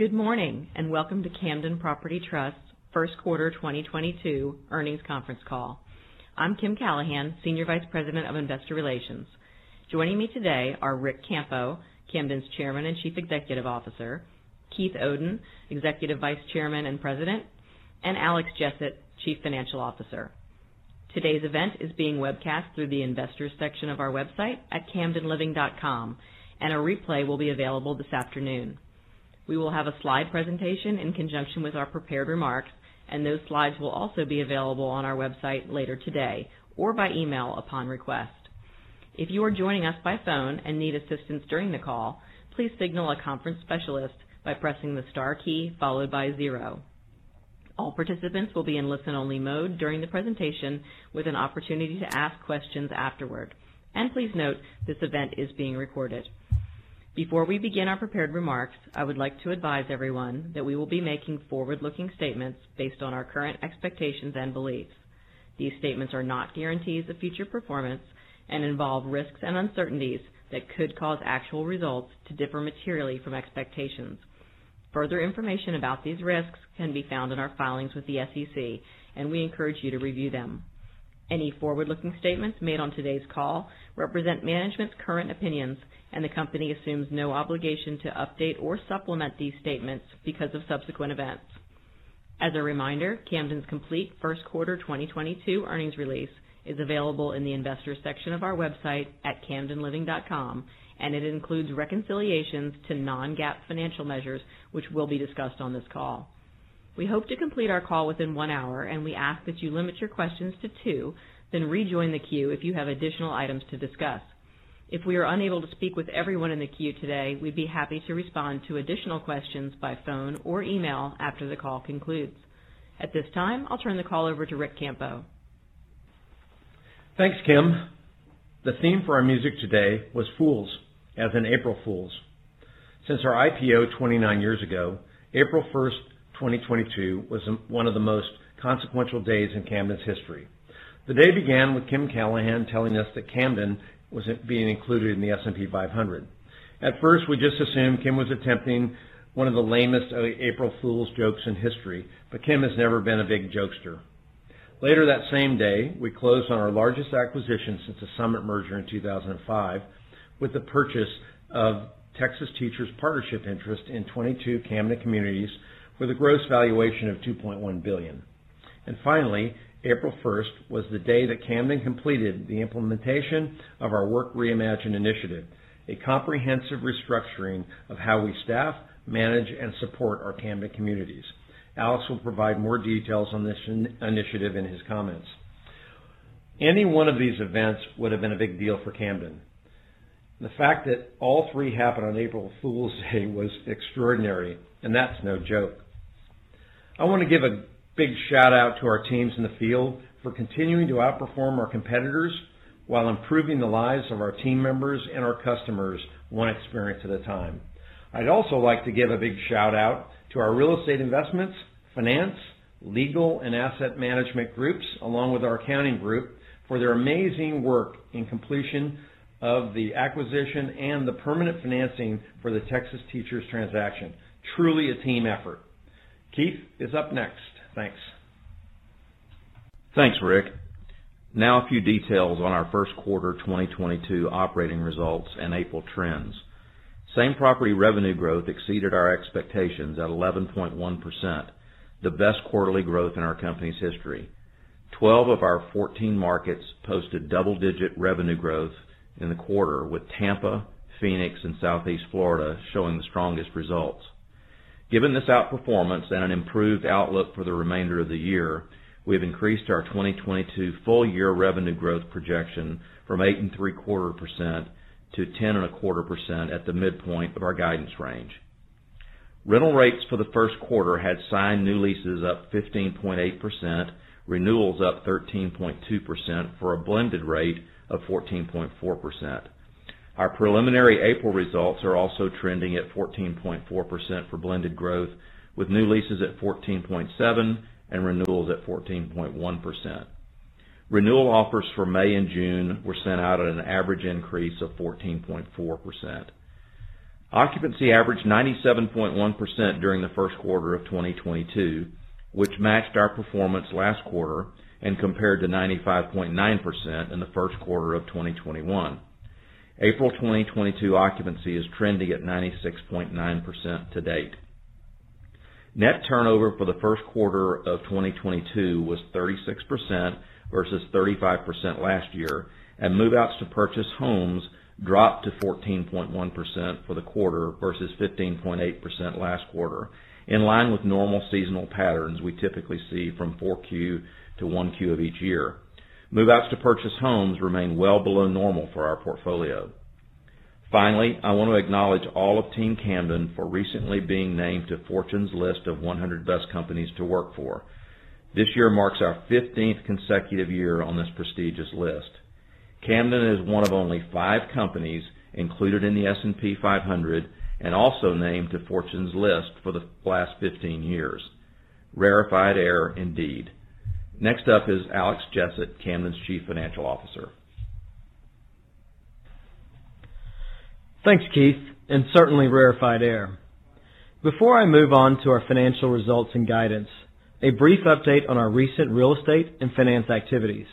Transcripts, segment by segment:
Good morning, and welcome to Camden Property Trust first quarter 2022 earnings conference call. I'm Kim Callahan, Senior Vice President of Investor Relations. Joining me today are Ric Campo, Camden's Chairman and Chief Executive Officer, Keith Oden, Executive Vice Chairman and President, and Alex Jessett, Chief Financial Officer. Today's event is being webcast through the investors section of our website at camdenliving.com, and a replay will be available this afternoon. We will have a slide presentation in conjunction with our prepared remarks, and those slides will also be available on our website later today or by email upon request. If you are joining us by phone, and need assistance during the call, please signal a conference specialist by pressing the star key followed by zero. All participants will be in listen-only mode during the presentation with an opportunity to ask questions afterward. Please note this event is being recorded. Before we begin our prepared remarks, I would like to advise everyone that we will be making forward-looking statements based on our current expectations and beliefs. These statements are not guarantees of future performance and involve risks and uncertainties that could cause actual results to differ materially from expectations. Further information about these risks can be found in our filings with the SEC, and we encourage you to review them. Any forward-looking statements made on today's call represent management's current opinions, and the company assumes no obligation to update or supplement these statements because of subsequent events. As a reminder, Camden's complete first quarter 2022 earnings release is available in the investors section of our website at camdenliving.com, and it includes reconciliations to non-GAAP financial measures, which will be discussed on this call. We hope to complete our call within one hour, and we ask that you limit your questions to two, then rejoin the queue if you have additional items to discuss. If we are unable to speak with everyone in the queue today, we'd be happy to respond to additional questions by phone or email after the call concludes. At this time, I'll turn the call over to Ric Campo. Thanks, Kim. The theme for our music today was fools, as in April Fools. Since our IPO 29 years ago, April 1, 2022 was one of the most consequential days in Camden's history. The day began with Kim Callahan telling us that Camden was being included in the S&P 500. At first, we just assumed Kim was attempting one of the lamest April Fools jokes in history, but Kim has never been a big jokester. Later that same day, we closed on our largest acquisition since the Summit merger in 2005 with the purchase of Teacher Retirement System of Texas partnership interest in 22 Camden communities with a gross valuation of $2.1 billion. Finally, April 1 was the day that Camden completed the implementation of our Work Reimagined initiative, a comprehensive restructuring of how we staff, manage, and support our Camden communities. Alex will provide more details on this initiative in his comments. Any one of these events would have been a big deal for Camden. The fact that all three happened on April Fools Day was extraordinary, and that's no joke. I wanna give a big shout-out to our teams in the field for continuing to outperform our competitors while improving the lives of our team members, and our customers one experience at a time. I'd also like to give a big shout-out to our real estate investments, finance, legal, and asset management groups, along with our accounting group for their amazing work in completion of the acquisition and the permanent financing for the Texas Teachers transaction. Truly a team effort. Keith is up next. Thanks. Thanks, Rick. Now a few details on our first quarter 2022 operating results, and April trends. Same-property revenue growth exceeded our expectations at 11.1%, the best quarterly growth in our company's history. Twelve of our 14 markets posted double-digit revenue growth in the quarter, with Tampa, Phoenix, and Southeast Florida showing the strongest results. Given this outperformance and an improved outlook for the remainder of the year, we've increased our 2022 full year revenue growth projection from 8.75% to 10.25% at the midpoint of our guidance range. Rental rates for the first quarter had signed new leases up 15.8%, renewals up 13.2% for a blended rate of 14.4%. Our preliminary April results are also trending at 14.4% for blended growth, with new leases at 14.7% and renewals at 14.1%. Renewal offers for May and June were sent out at an average increase of 14.4%. Occupancy averaged 97.1% during the first quarter of 2022, which matched our performance last quarter and compared to 95.9% in the first quarter of 2021. April 2022 occupancy is trending at 96.9% to date. Net turnover for the first quarter of 2022 was 36% versus 35% last year, and move-outs to purchase homes dropped to 14.1% for the quarter versus 15.8% last quarter, in line with normal seasonal patterns we typically see from 4Q to 1Q of each year. Move-outs to purchase homes remain well below normal for our portfolio. Finally, I want to acknowledge all of Team Camden for recently being named to Fortune's list of 100 Best Companies to Work For. This year marks our 15th consecutive year on this prestigious list. Camden is one of only five companies included in the S&P 500 and also named to Fortune's list for the last 15 years. Rarefied air indeed. Next up is Alex Jessett, Camden's Chief Financial Officer. Thanks, Keith, and certainly rarefied air. Before I move on to our financial results and guidance, a brief update on our recent real estate and finance activities.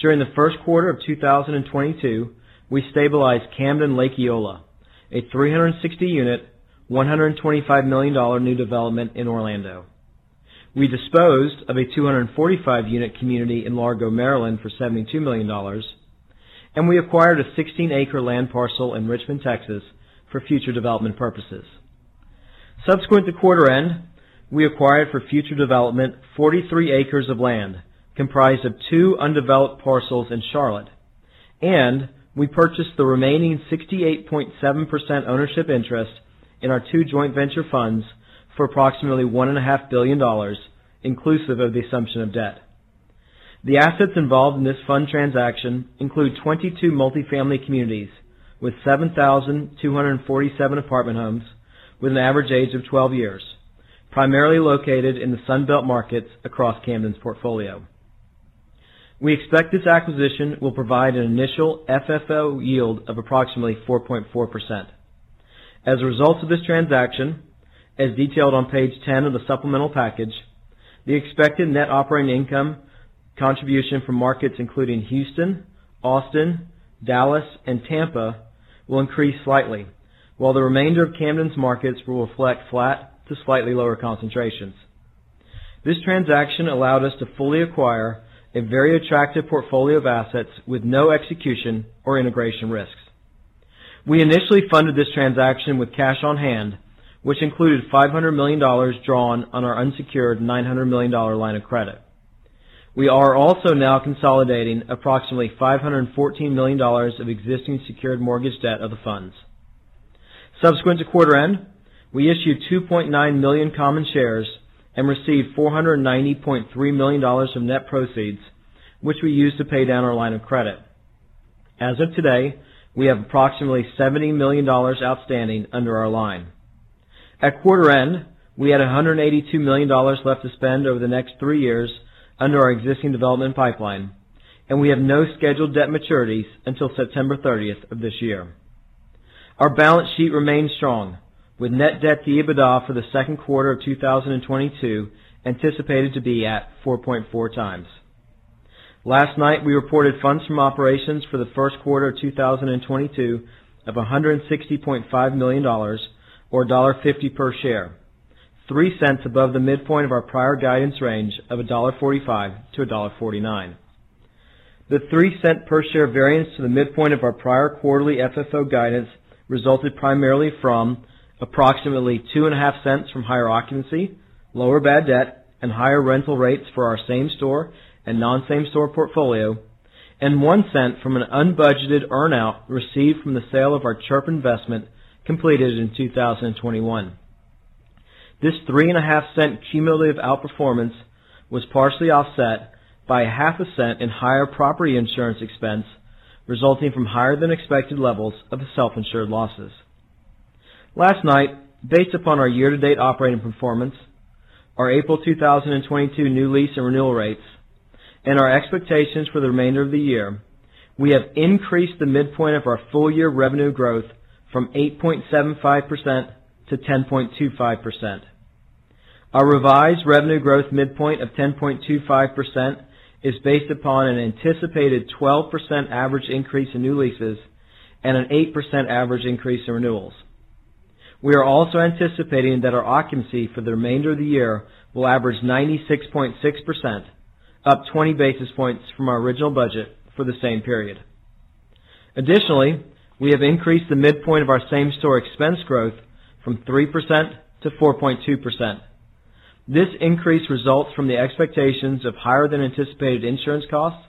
During the first quarter of 2022, we stabilized Camden Lake Eola, a 360-unit, $125 million new development in Orlando. We disposed of a 245-unit community in Largo, Maryland for $72 million, and we acquired a 16-acre land parcel in Richmond, Texas for future development purposes. Subsequent to quarter end, we acquired for future development 43 acres of land comprised of two undeveloped parcels in Charlotte, and we purchased the remaining 68.7% ownership interest in our two joint venture funds for approximately $1.5 billion, inclusive of the assumption of debt. The assets involved in this fund transaction include 22 multifamily communities with 7,247 apartment homes with an average age of 12 years, primarily located in the Sun Belt markets across Camden's portfolio. We expect this acquisition will provide an initial FFO yield of approximately 4.4%. As a result of this transaction, as detailed on page 10 of the supplemental package, the expected net operating income contribution from markets including Houston, Austin, Dallas, and Tampa will increase slightly, while the remainder of Camden's markets will reflect flat to slightly lower concentrations. This transaction allowed us to fully acquire a very attractive portfolio of assets with no execution or integration risks. We initially funded this transaction with cash on hand, which included $500 million drawn on our unsecured $900 million line of credit. We are also now consolidating approximately $514 million of existing secured mortgage debt of the funds. Subsequent to quarter end, we issued 2.9 million common shares and received $490.3 million from net proceeds, which we used to pay down our line of credit. As of today, we have approximately $70 million outstanding under our line. At quarter end, we had $182 million left to spend over the next three years under our existing development pipeline, and we have no scheduled debt maturities until September 30th of this year. Our balance sheet remains strong, with net debt to EBITDA for the second quarter of 2022 anticipated to be at 4.4x. Last night, we reported funds from operations for the first quarter of 2022 of $160.5 million or $1.50 per share, 3 cents above the midpoint of our prior guidance range of $1.45-$1.49. The 3-cent per share variance to the midpoint of our prior quarterly FFO guidance resulted primarily from approximately 2.5 cents from higher occupancy, lower bad debt, and higher rental rates for our same store and non-same store portfolio, and 1 cent from an unbudgeted earn-out received from the sale of our CHRP investment completed in 2021. This 3.5-cent cumulative outperformance was partially offset by half a cent in higher property insurance expense, resulting from higher than expected levels of the self-insured losses. Last night, based upon our year-to-date operating performance, our April 2022 new lease and renewal rates, and our expectations for the remainder of the year, we have increased the midpoint of our full year revenue growth from 8.75% to 10.25%. Our revised revenue growth midpoint of 10.25% is based upon an anticipated 12% average increase in new leases and an 8% average increase in renewals. We are also anticipating that our occupancy for the remainder of the year will average 96.6%, up 20 basis points from our original budget for the same period. Additionally, we have increased the midpoint of our same store expense growth from 3% to 4.2%. This increase results from the expectations of higher than anticipated insurance costs,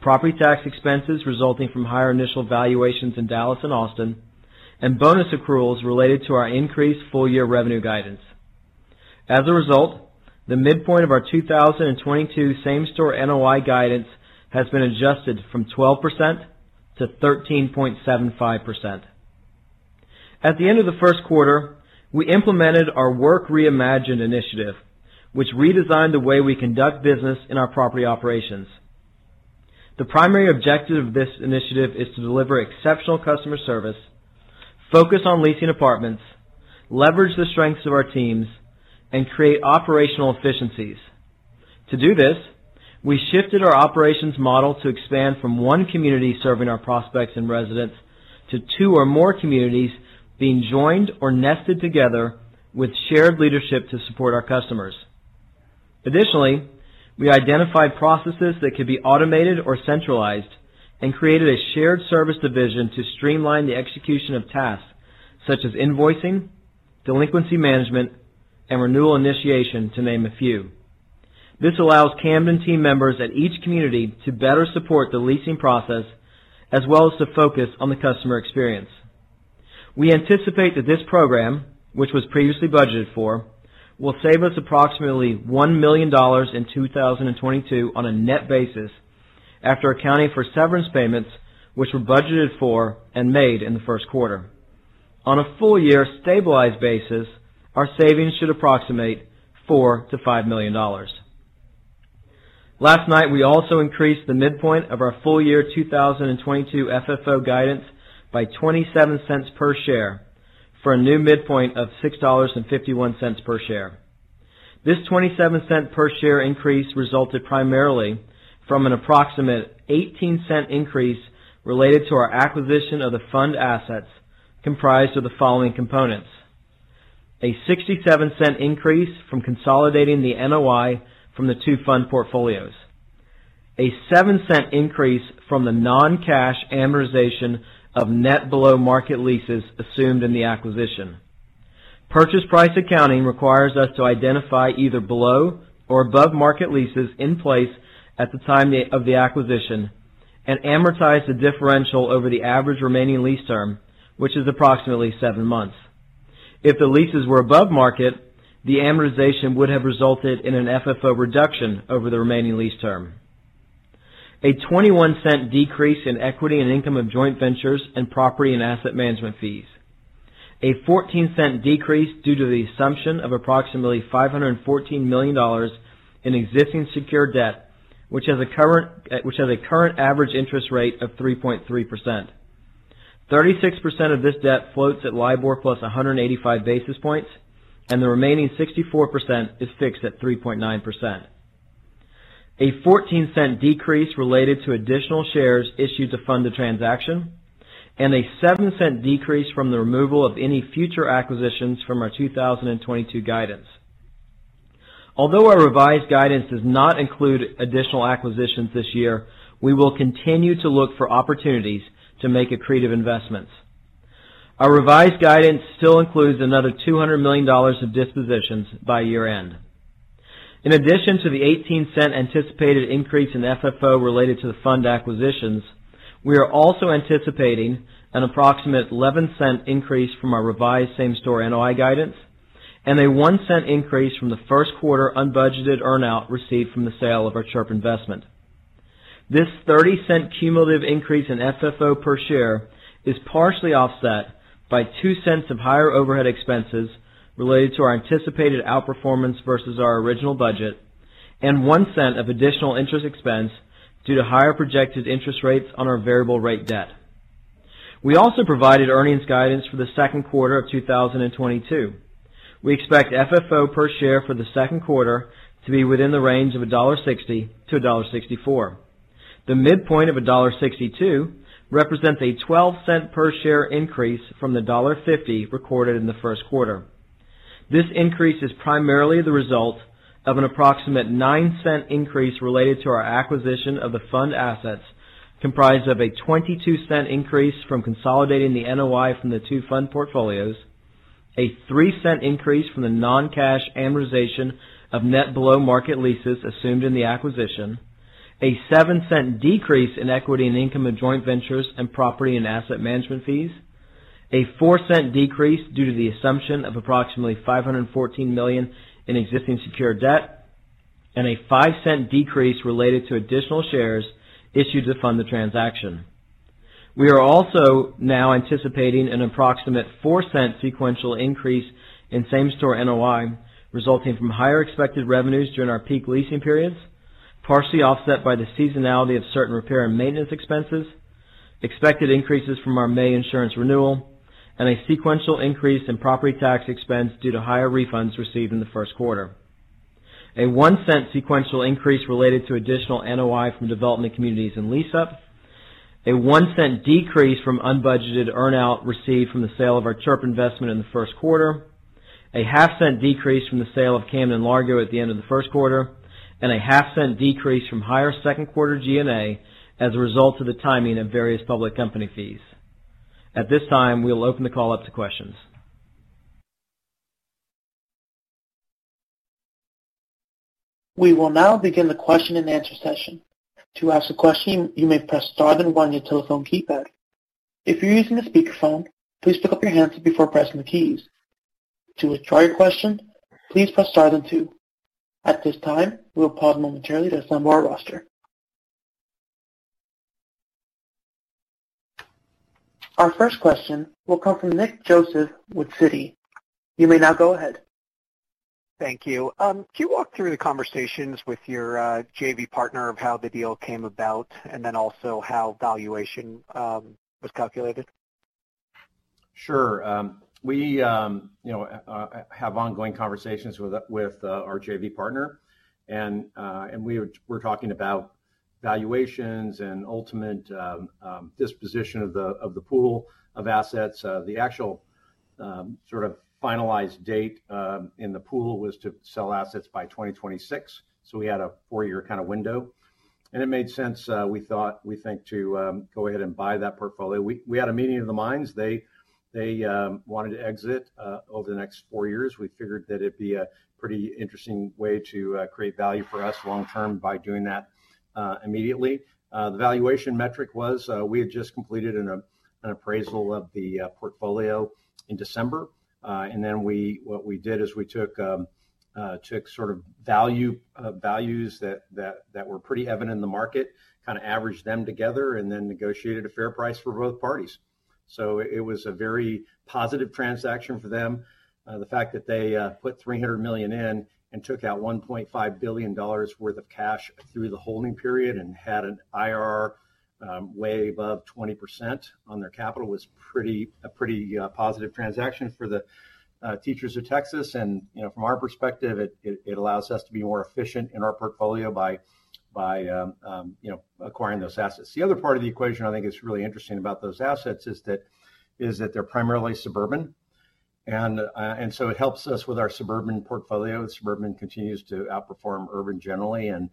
property tax expenses resulting from higher initial valuations in Dallas and Austin, and bonus accruals related to our increased full year revenue guidance. As a result, the midpoint of our 2022 same store NOI guidance has been adjusted from 12% to 13.75%. At the end of the first quarter, we implemented our Work Reimagined initiative, which redesigned the way we conduct business in our property operations. The primary objective of this initiative is to deliver exceptional customer service, focus on leasing apartments, leverage the strengths of our teams, and create operational efficiencies. To do this, we shifted our operations model to expand from one community serving our prospects and residents to two or more communities being joined or nested together with shared leadership to support our customers. Additionally, we identified processes that could be automated or centralized, and created a shared service division to streamline the execution of tasks such as invoicing, delinquency management, and renewal initiation, to name a few. This allows Camden team members at each community to better support the leasing process as well as to focus on the customer experience. We anticipate that this program, which was previously budgeted for, will save us approximately $1 million in 2022 on a net basis after accounting for severance payments which were budgeted for and made in the first quarter. On a full year stabilized basis, our savings should approximate $4-$5 million. Last night, we also increased the midpoint of our full year 2022 FFO guidance by 27 cents per share for a new midpoint of $6.51 per share. This $0.27 per share increase resulted primarily from an approximate 18-cent increase related to our acquisition of the fund assets comprised of the following components. A 67-cent increase from consolidating the NOI from the two fund portfolios. A 7-cent increase from the non-cash amortization of net below-market leases assumed in the acquisition. Purchase price accounting requires us to identify either below- or above-market leases in place at the time of the acquisition and amortize the differential over the average remaining lease term, which is approximately seven months. If the leases were above market, the amortization would have resulted in an FFO reduction over the remaining lease term. A 21-cent decrease in equity and income of joint ventures and property and asset management fees. A 14-cent decrease due to the assumption of approximately $514 million in existing secured debt, which has a current average interest rate of 3.3%. 36% of this debt floats at LIBOR plus 185 basis points, and the remaining 64% is fixed at 3.9%. A 14-cent decrease related to additional shares issued to fund the transaction, and a 7-cent decrease from the removal of any future acquisitions from our 2022 guidance. Although our revised guidance does not include additional acquisitions this year, we will continue to look for opportunities to make accretive investments. Our revised guidance still includes another $200 million of dispositions by year-end. In addition to the $0.18 anticipated increase in FFO related to the fund acquisitions, we are also anticipating an approximate $0.11 increase from our revised same-store NOI guidance and a $0.01 increase from the first quarter unbudgeted earn-out received from the sale of our CHRP investment. This $0.30 cumulative increase in FFO per share is partially offset by $0.02 of higher overhead expenses related to our anticipated outperformance versus our original budget and $0.01 of additional interest expense due to higher projected interest rates on our variable rate debt. We also provided earnings guidance for the second quarter of 2022. We expect FFO per share for the second quarter to be within the range of $1.60-$1.64. The midpoint of $1.62 represents a $0.12 per share increase from the $1.50 recorded in the first quarter. This increase is primarily the result of an approximate $0.09 increase related to our acquisition of the fund assets comprised of a $0.22 increase from consolidating the NOI from the two fund portfolios, a $0.03 increase from the non-cash amortization of net below-market leases assumed in the acquisition, a $0.07 decrease in equity, and income of joint ventures and property and asset management fees, a $0.04 decrease due to the assumption of approximately $514 million in existing secured debt, and a $0.05 decrease related to additional shares issued to fund the transaction. We are also now anticipating an approximate $0.04 sequential increase in same-store NOI, resulting from higher expected revenues during our peak leasing periods, partially offset by the seasonality of certain repair and maintenance expenses, expected increases from our May insurance renewal, and a sequential increase in property tax expense due to higher refunds received in the first quarter. A $0.01 sequential increase related to additional NOI from development communities in lease-up. A $0.01 decrease from unbudgeted earn-out received from the sale of our CHRP investment in the first quarter. A $0.005 decrease from the sale of Camden Largo at the end of the first quarter, and a $0.005 decrease from higher second quarter G&A as a result of the timing of various public company fees. At this time, we'll open the call up to questions. We will now begin the question-and-answer session. To ask a question, you may press star then one on your telephone keypad. If you're using a speakerphone, please pick up your handset before pressing the keys. To withdraw your question, please press star then two. At this time, we will pause momentarily to assemble our roster. Our first question will come from Nick Joseph with Citi. You may now go ahead. Thank you. Can you walk through the conversations with your JV partner of how the deal came about and then also how valuation was calculated? Sure. We, you know, have ongoing conversations with our JV partner. We're talking about valuations and ultimate disposition of the pool of assets. The actual sort of finalized date in the pool was to sell assets by 2026. We had a four-year kind of window. It made sense, we think to go ahead and buy that portfolio. We had a meeting of the minds. They wanted to exit over the next four years. We figured that it'd be a pretty interesting way to create value for us long term by doing that immediately. The valuation metric was, we had just completed an appraisal of the portfolio in December. What we did is we took sort of values that were pretty evident in the market, kind of averaged them together and then negotiated a fair price for both parties. It was a very positive transaction for them. The fact that they put $300 million in and took out $1.5 billion worth of cash through the holding period and had an IRR way above 20% on their capital was pretty positive transaction for the teachers of Texas. From our perspective, it allows us to be more efficient in our portfolio by acquiring those assets. The other part of the equation I think is really interesting about those assets is that they're primarily suburban. It helps us with our suburban portfolio. Suburban continues to outperform urban generally, and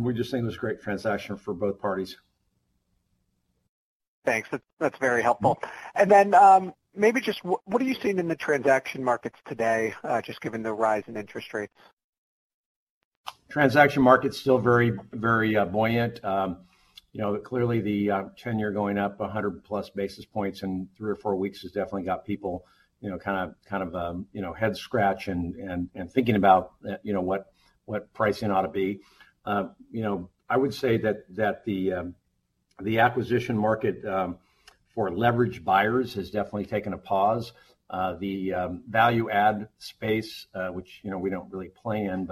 we just think it was a great transaction for both parties. Thanks. That's very helpful. Maybe just what are you seeing in the transaction markets today, just given the rise in interest rates? Transaction market's still very buoyant. You know, clearly the ten-year going up 100+ basis points in three or four weeks has definitely got people, you know, kind of heads scratching, and thinking about, you know, what pricing ought to be. You know, I would say that the acquisition market for leverage buyers has definitely taken a pause. The value-add space, which, you know, we don't really play in,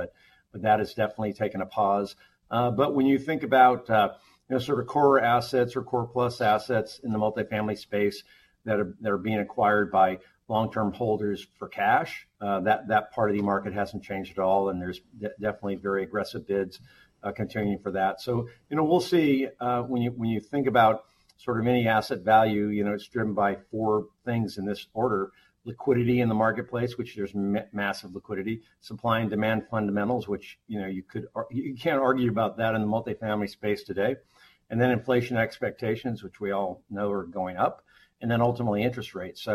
but that has definitely taken a pause. When you think about, you know, sort of core assets or core plus assets in the multifamily space that are being acquired by long-term holders for cash, that part of the market hasn't changed at all, and there's definitely very aggressive bids continuing for that. We'll see when you think about sort of any asset value, you know, it's driven by four things in this order. Liquidity in the marketplace, which there's massive liquidity. Supply and demand fundamentals, which, you know, you can't argue about that in the multifamily space today. Inflation expectations, which we all know are going up. Ultimately interest rates.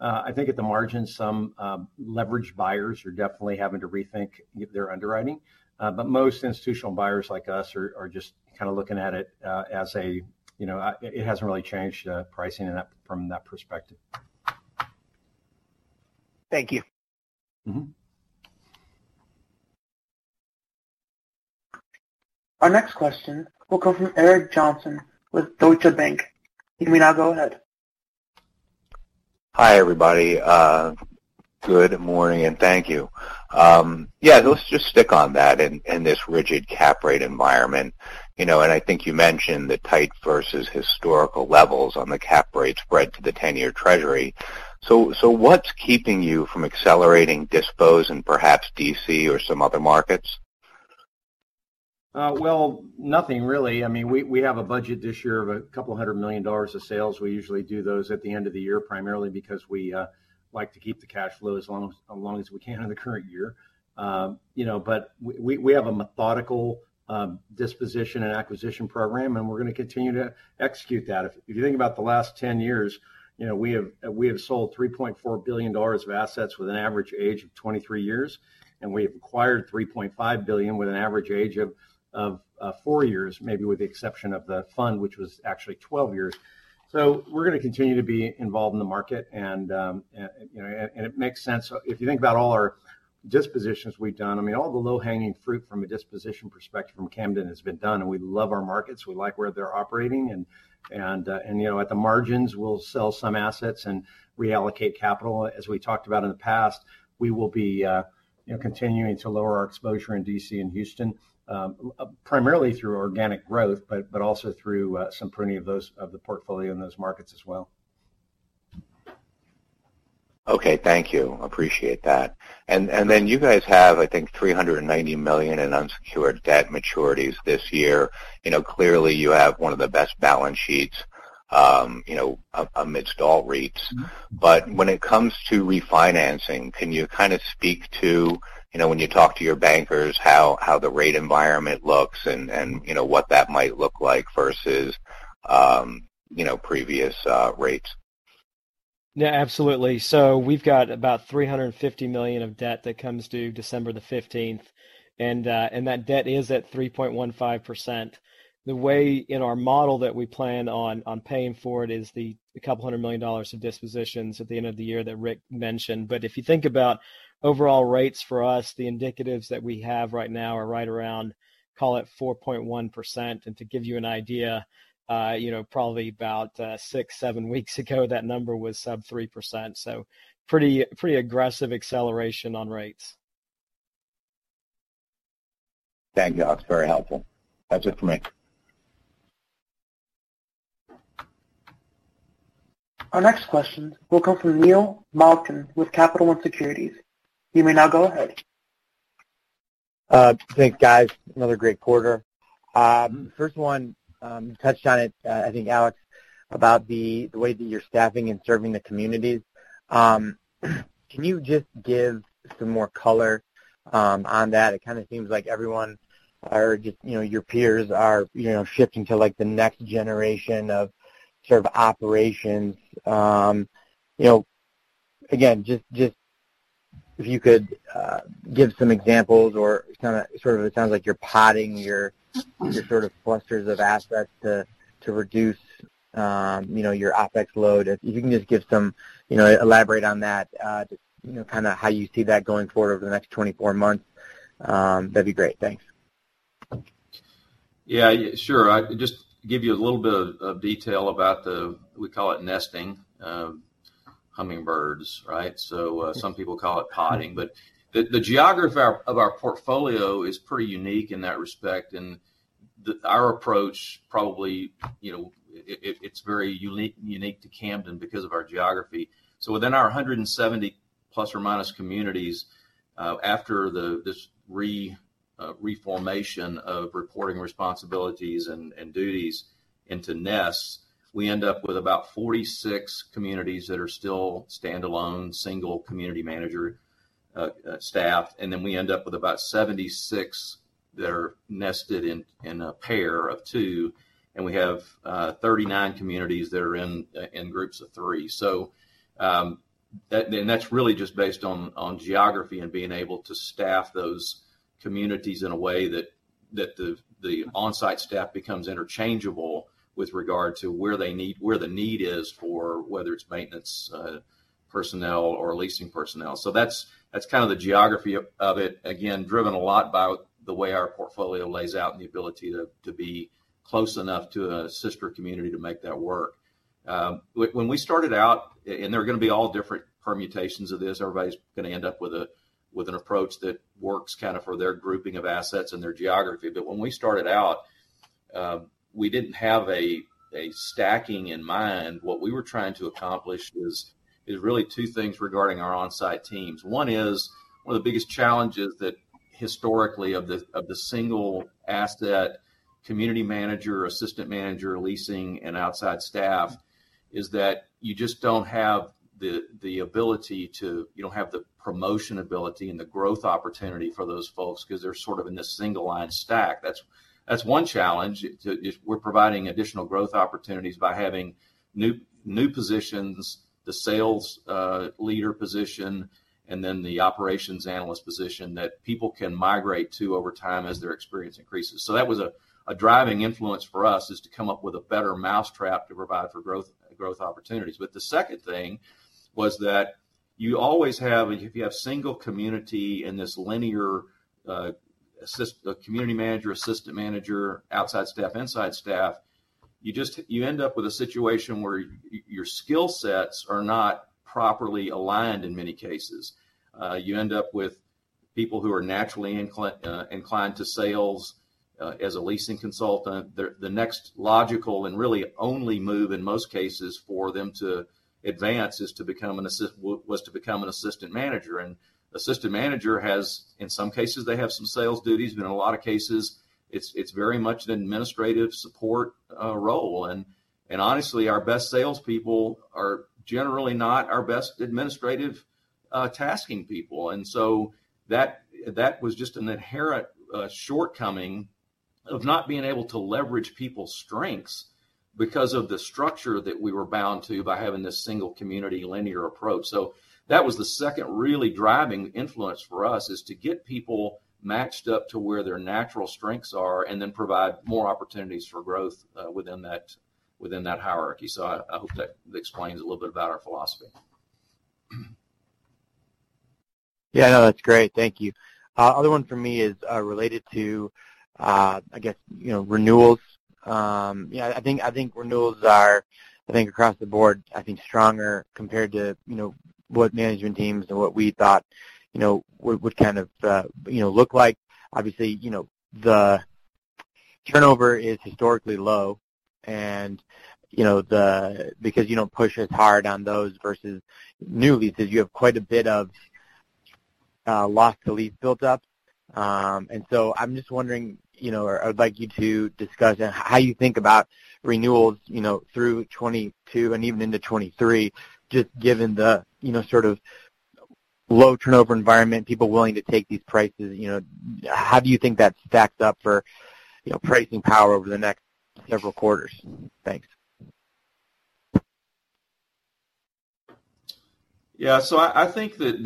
I think at the margin some leverage buyers are definitely having to rethink their underwriting. Most institutional buyers like us are just kind of looking at it as a, you know. It hasn't really changed pricing in that from that perspective. Thank you. Mm-hmm. Our next question will come from Eric Wolfe with Deutsche Bank. You may now go ahead. Hi, everybody. Good morning, and thank you. Yeah, let's just stick on that in this rigid cap rate environment. You know, and I think you mentioned the tight versus historical levels on the cap rate spread to the 10-year Treasury. What's keeping you from accelerating dispos in perhaps D.C. or some other markets? Well, nothing really. I mean, we have a budget this year of a couple hundred million dollars of sales. We usually do those at the end of the year, primarily because we like to keep the cash flow as long as we can in the current year. We have a methodical disposition and acquisition program, and we're gonna continue to execute that. If you think about the last 10 years, we have sold $3.4 billion of assets with an average age of 23 years, and we have acquired $3.5 billion with an average age of four years, maybe with the exception of the fund, which was actually 12 years. We're gonna continue to be involved in the market, and it makes sense. If you think about all our dispositions we've done, I mean, all the low-hanging fruit from a disposition perspective from Camden has been done, and we love our markets. We like where they're operating and you know, at the margins, we'll sell some assets and reallocate capital. As we talked about in the past, we will be you know, continuing to lower our exposure in D.C. and Houston, primarily through organic growth, but also through some pruning of the portfolio in those markets as well. Okay. Thank you. Appreciate that. Then you guys have, I think, $390 million in unsecured debt maturities this year. You know, clearly you have one of the best balance sheets, you know, amidst all REITs. When it comes to refinancing, can you kind of speak to, you know, when you talk to your bankers, how the rate environment looks and, you know, what that might look like versus, you know, previous rates? Yeah, absolutely. We've got about $350 million of debt that comes due December the fifteenth, and that debt is at 3.15%. The way in our model that we plan on paying for it is a couple hundred million dollars of dispositions at the end of the year that Rick mentioned. If you think about overall rates for us, the indicatives that we have right now are right around, call it 4.1%. To give you an idea, you know, probably about six, seven weeks ago, that number was sub-3%, so pretty aggressive acceleration on rates. Thank you, Alex. Very helpful. That's it for me. Our next question will come from Neil Malkin with Capital One Securities. You may now go ahead. Thanks, guys. Another great quarter. First one touched on it. I think, Alex, about the way that you're staffing and serving the communities. Can you just give some more color on that? It kind of seems like everyone or just, you know, your peers are, you know, shifting to, like, the next generation of sort of operations. You know, again, just if you could give some examples or kinda, sort of it sounds like you're podding your sort of clusters of assets to reduce, you know, your OpEx load. If you can just give some, you know, elaborate on that, just, you know, kind of how you see that going forward over the next 24 months, that'd be great. Thanks. Yeah, sure. I'll just give you a little bit of detail about what we call nesting, hummingbirds, right? Some people call it podding. The geography of our portfolio is pretty unique in that respect, and our approach probably, you know, it's very unique to Camden because of our geography. Within our 170 plus or minus communities, after this reformation of reporting responsibilities and duties into nests, we end up with about 46 communities that are still standalone, single community manager staffed, and then we end up with about 76 that are nested in a pair of two, and we have 39 communities that are in groups of three. That. That's really just based on geography and being able to staff those communities in a way that the onsite staff becomes interchangeable with regard to where the need is for whether it's maintenance personnel or leasing personnel. So that's kind of the geography of it, again, driven a lot by the way our portfolio lays out and the ability to be close enough to a sister community to make that work. When we started out, and there are gonna be all different permutations of this, everybody's gonna end up with an approach that works kind of for their grouping of assets and their geography. When we started out, we didn't have a stacking in mind. What we were trying to accomplish is really two things regarding our onsite teams. One is one of the biggest challenges that historically of the single asset community manager, assistant manager, leasing, and outside staff, is that you just don't have the ability to. You don't have the promotion ability and the growth opportunity for those folks because they're sort of in this single line stack. That's one challenge. We're providing additional growth opportunities by having new positions, the sales leader position, and then the operations analyst position that people can migrate to over time as their experience increases. So that was a driving influence for us, is to come up with a better mousetrap to provide for growth opportunities. The second thing was that you always have, if you have single community in this linear, a community manager, assistant manager, outside staff, inside staff, you just you end up with a situation where your skill sets are not properly aligned in many cases. You end up with people who are naturally inclined to sales as a leasing consultant. The next logical and really only move in most cases for them to advance is to become an assistant manager. An assistant manager has, in some cases, they have some sales duties, but in a lot of cases it's very much an administrative support role. Honestly, our best salespeople are generally not our best administrative tasking people. That was just an inherent shortcoming of not being able to leverage people's strengths because of the structure that we were bound to by having this single community linear approach. That was the second really driving influence for us, is to get people matched up to where their natural strengths are and then provide more opportunities for growth, within that hierarchy. I hope that explains a little bit about our philosophy. Yeah, no, that's great. Thank you. Other one for me is related to, I guess, you know, renewals. Yeah, I think renewals are stronger across the board compared to, you know, what management teams, and what we thought, you know, would kind of look like. Obviously, you know, the turnover is historically low and, you know, because you don't push as hard on those versus new leases, you have quite a bit of loss to lease built up. I'm just wondering, you know, or I would like you to discuss how you think about renewals, you know, through 2022 and even into 2023, just given the, you know, sort of low turnover environment, people willing to take these prices, you know, how do you think that stacks up for, you know, pricing power over the next several quarters? Thanks. I think that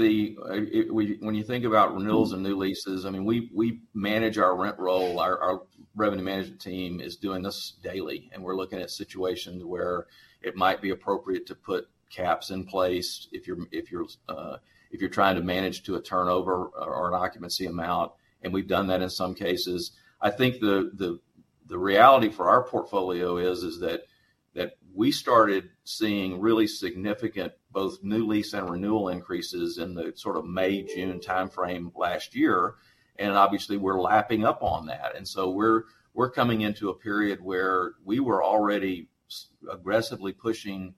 when you think about renewals and new leases, I mean, we manage our rent roll. Our revenue management team is doing this daily, and we're looking at situations where it might be appropriate to put caps in place if you're trying to manage to a turnover or an occupancy amount, and we've done that in some cases. I think the reality for our portfolio is that we started seeing really significant both new lease and renewal increases in the sort of May, June timeframe last year, and obviously we're lapping up on that. We're coming into a period where we were already aggressively pushing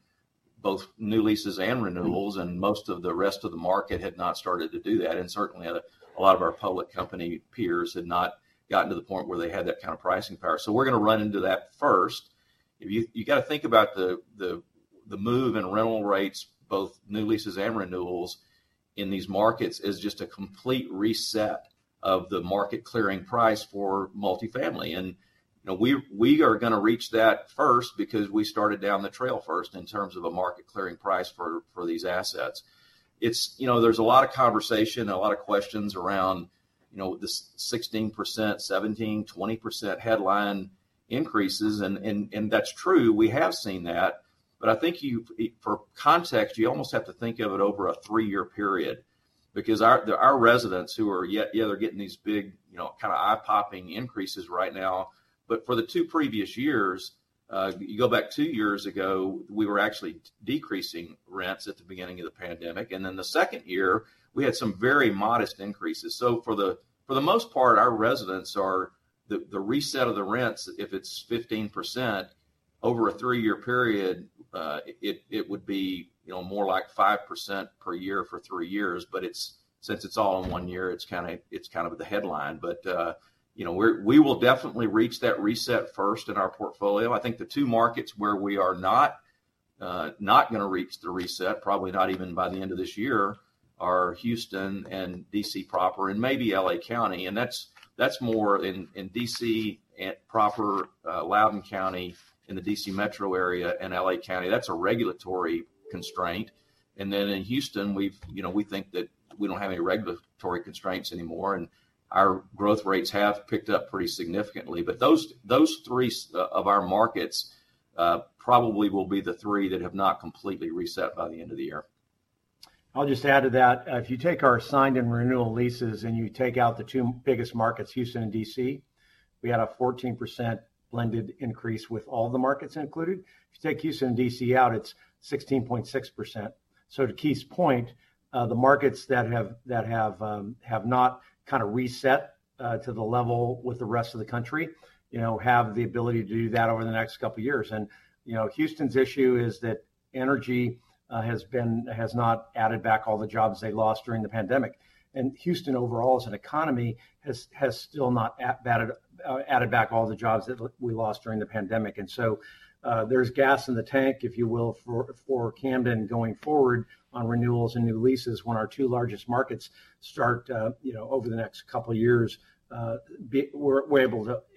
both new leases and renewals, and most of the rest of the market had not started to do that, and certainly a lot of our public company peers had not gotten to the point where they had that kind of pricing power. We're gonna run into that first. You gotta think about the move in rental rates, both new leases and renewals, in these markets as just a complete reset of the market clearing price for multifamily. You know, we are gonna reach that first because we started down the trail first in terms of a market clearing price for these assets. It's, you know, there's a lot of conversation and a lot of questions around, you know, this 16%, 17%, 20% headline increases and that's true, we have seen that, but I think you, for context, you almost have to think of it over a three-year period. Our residents, they're getting these big, you know, kind of eye-popping increases right now. For the two previous years, you go back two years ago, we were actually decreasing rents at the beginning of the pandemic. The second year, we had some very modest increases. The reset of the rents, if it's 15% over a three-year period, it would be, you know, more like 5% per year for three years. It's. Since it's all in one year, it's kind of the headline. We will definitely reach that reset first in our portfolio. I think the two markets where we are not gonna reach the reset, probably not even by the end of this year, are Houston and D.C. proper, and maybe L.A. County. That's more in D.C. proper, Loudoun County in the D.C. metro area and L.A. County. That's a regulatory constraint. In Houston, you know, we think that we don't have any regulatory constraints anymore, and our growth rates have picked up pretty significantly. Those three of our markets probably will be the three that have not completely reset by the end of the year. I'll just add to that. If you take our signed and renewal leases and you take out the two biggest markets, Houston and D.C., we had a 14% blended increase with all the markets included. If you take Houston and D.C. out, it's 16.6%. To Keith's point, the markets that have not kind of reset to the level with the rest of the country, you know, have the ability to do that over the next couple of years. You know, Houston's issue is that energy has not added back all the jobs they lost during the pandemic. Houston overall as an economy has still not added back all the jobs that we lost during the pandemic. There's gas in the tank, if you will, for Camden going forward on renewals and new leases when our two largest markets start, you know, over the next couple of years, we're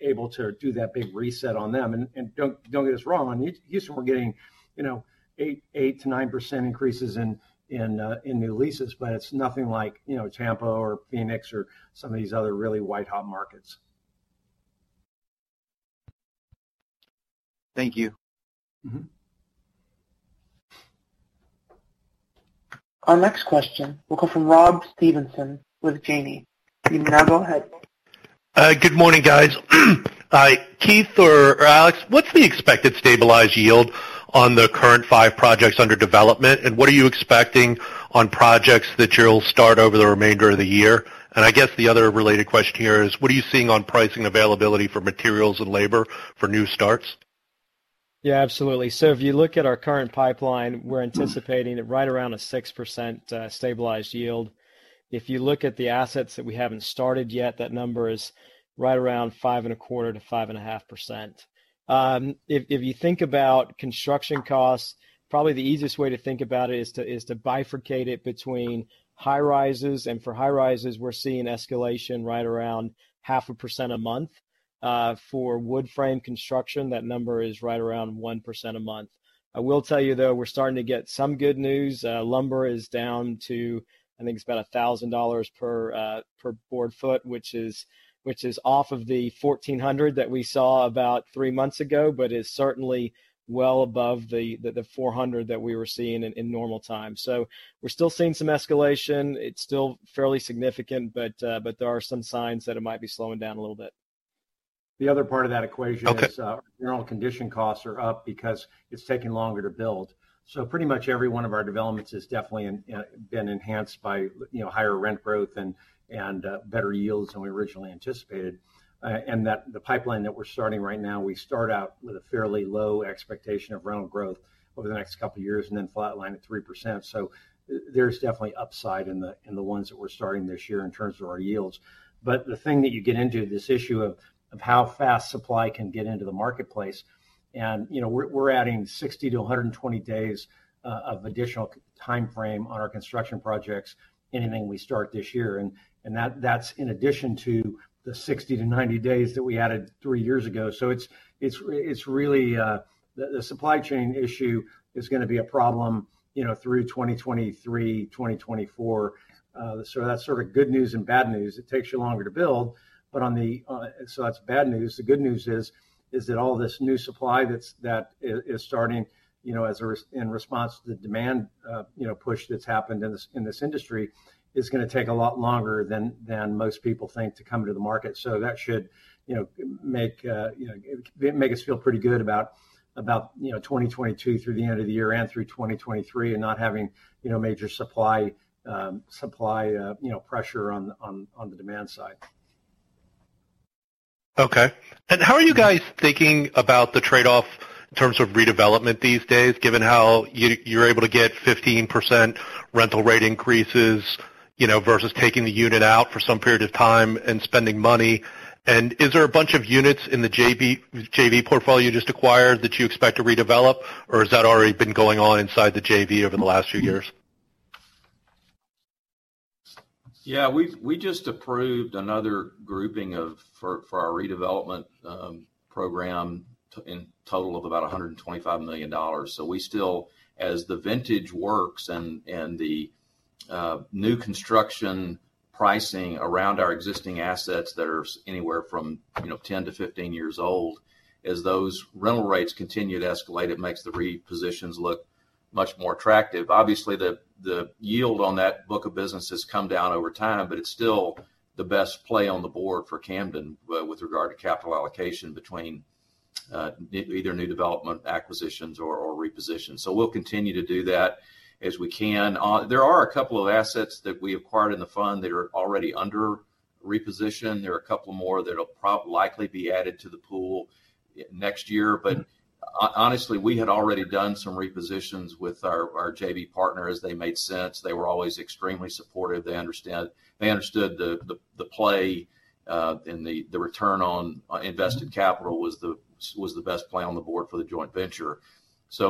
able to do that big reset on them. Don't get us wrong. In Houston, we're getting, you know, 8%-9% increases in new leases, but it's nothing like, you know, Tampa or Phoenix or some of these other really white hot markets. Thank you. Mm-hmm. Our next question will come from Rob Stevenson with Janney. You may now go ahead. Good morning, guys. Keith or Alex, what's the expected stabilized yield on the current five projects under development, and what are you expecting on projects that you'll start over the remainder of the year? I guess the other related question here is, what are you seeing on pricing availability for materials and labor for new starts? Yeah, absolutely. If you look at our current pipeline, we're anticipating it right around 6%, stabilized yield. If you look at the assets that we haven't started yet, that number is right around 5.25%-5.5%. If you think about construction costs, probably the easiest way to think about it is to bifurcate it between high rises. For high rises, we're seeing escalation right around 0.5% a month. For wood frame construction, that number is right around 1% a month. I will tell you, though, we're starting to get some good news. Lumber is down to, I think, it's about $1,000 per board foot, which is off of the $1,400 that we saw about three months ago, but is certainly well above the $400 that we were seeing in normal times. We're still seeing some escalation. It's still fairly significant, but there are some signs that it might be slowing down a little bit. The other part of that equation. Okay General condition costs are up because it's taking longer to build. Pretty much every one of our developments has definitely been enhanced by, you know, higher rent growth, and better yields than we originally anticipated. The pipeline that we're starting right now, we start out with a fairly low expectation of rental growth over the next couple of years and then flatline at 3%. There's definitely upside in the ones that we're starting this year in terms of our yields. The thing that you get into, this issue of how fast supply can get into the marketplace, and, you know, we're adding 60-120 days of additional timeframe on our construction projects, anything we start this year. That's in addition to the 60-90 days that we added three years ago. It's really the supply chain issue is gonna be a problem, you know, through 2023, 2024. That's sort of good news and bad news. It takes you longer to build, but that's bad news. The good news is that all this new supply that is starting, you know, in response to the demand, you know, push that's happened in this industry is gonna take a lot longer than most people think to come to the market. That should, you know, make us feel pretty good about, you know, 2022 through the end of the year and through 2023 and not having, you know, major supply, you know, pressure on the demand side. Okay. How are you guys thinking about the trade-off in terms of redevelopment these days, given how you're able to get 15% rental rate increases, you know, versus taking the unit out for some period of time and spending money? Is there a bunch of units in the JV portfolio you just acquired that you expect to redevelop, or has that already been going on inside the JV over the last few years? Yeah. We've just approved another grouping for our redevelopment program in total of about $125 million. We still, as the vintage works and the new construction pricing around our existing assets that are anywhere from, you know, 10-15 years old. As those rental rates continue to escalate, it makes the repositions look much more attractive. Obviously, the yield on that book of business has come down over time, but it's still the best play on the board for Camden with regard to capital allocation between either new development acquisitions or repositions. We'll continue to do that as we can. There are a couple of assets that we acquired in the fund that are already under reposition. There are a couple more that'll likely be added to the pool next year. Honestly, we had already done some repositions with our JV partner as they made sense. They were always extremely supportive. They understood the play, and the return on invested capital was the best play on the board for the joint venture.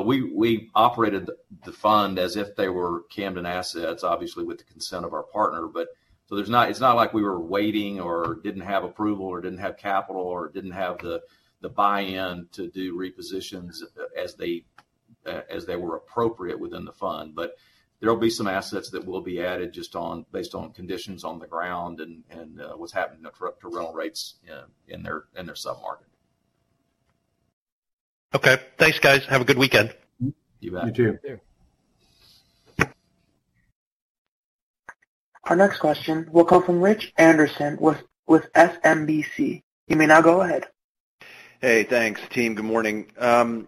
We operated the fund as if they were Camden assets, obviously with the consent of our partner, but there's not. It's not like we were waiting or didn't have approval, or didn't have capital, or didn't have the buy-in to do repositions as they were appropriate within the fund. There'll be some assets that will be added just on based on conditions on the ground and what's happening to rental rates in their sub-market. Okay. Thanks, guys. Have a good weekend. You bet. You too. You too. Our next question will come from Rich Anderson with SMBC. You may now go ahead. Hey, thanks, team. Good morning. I'm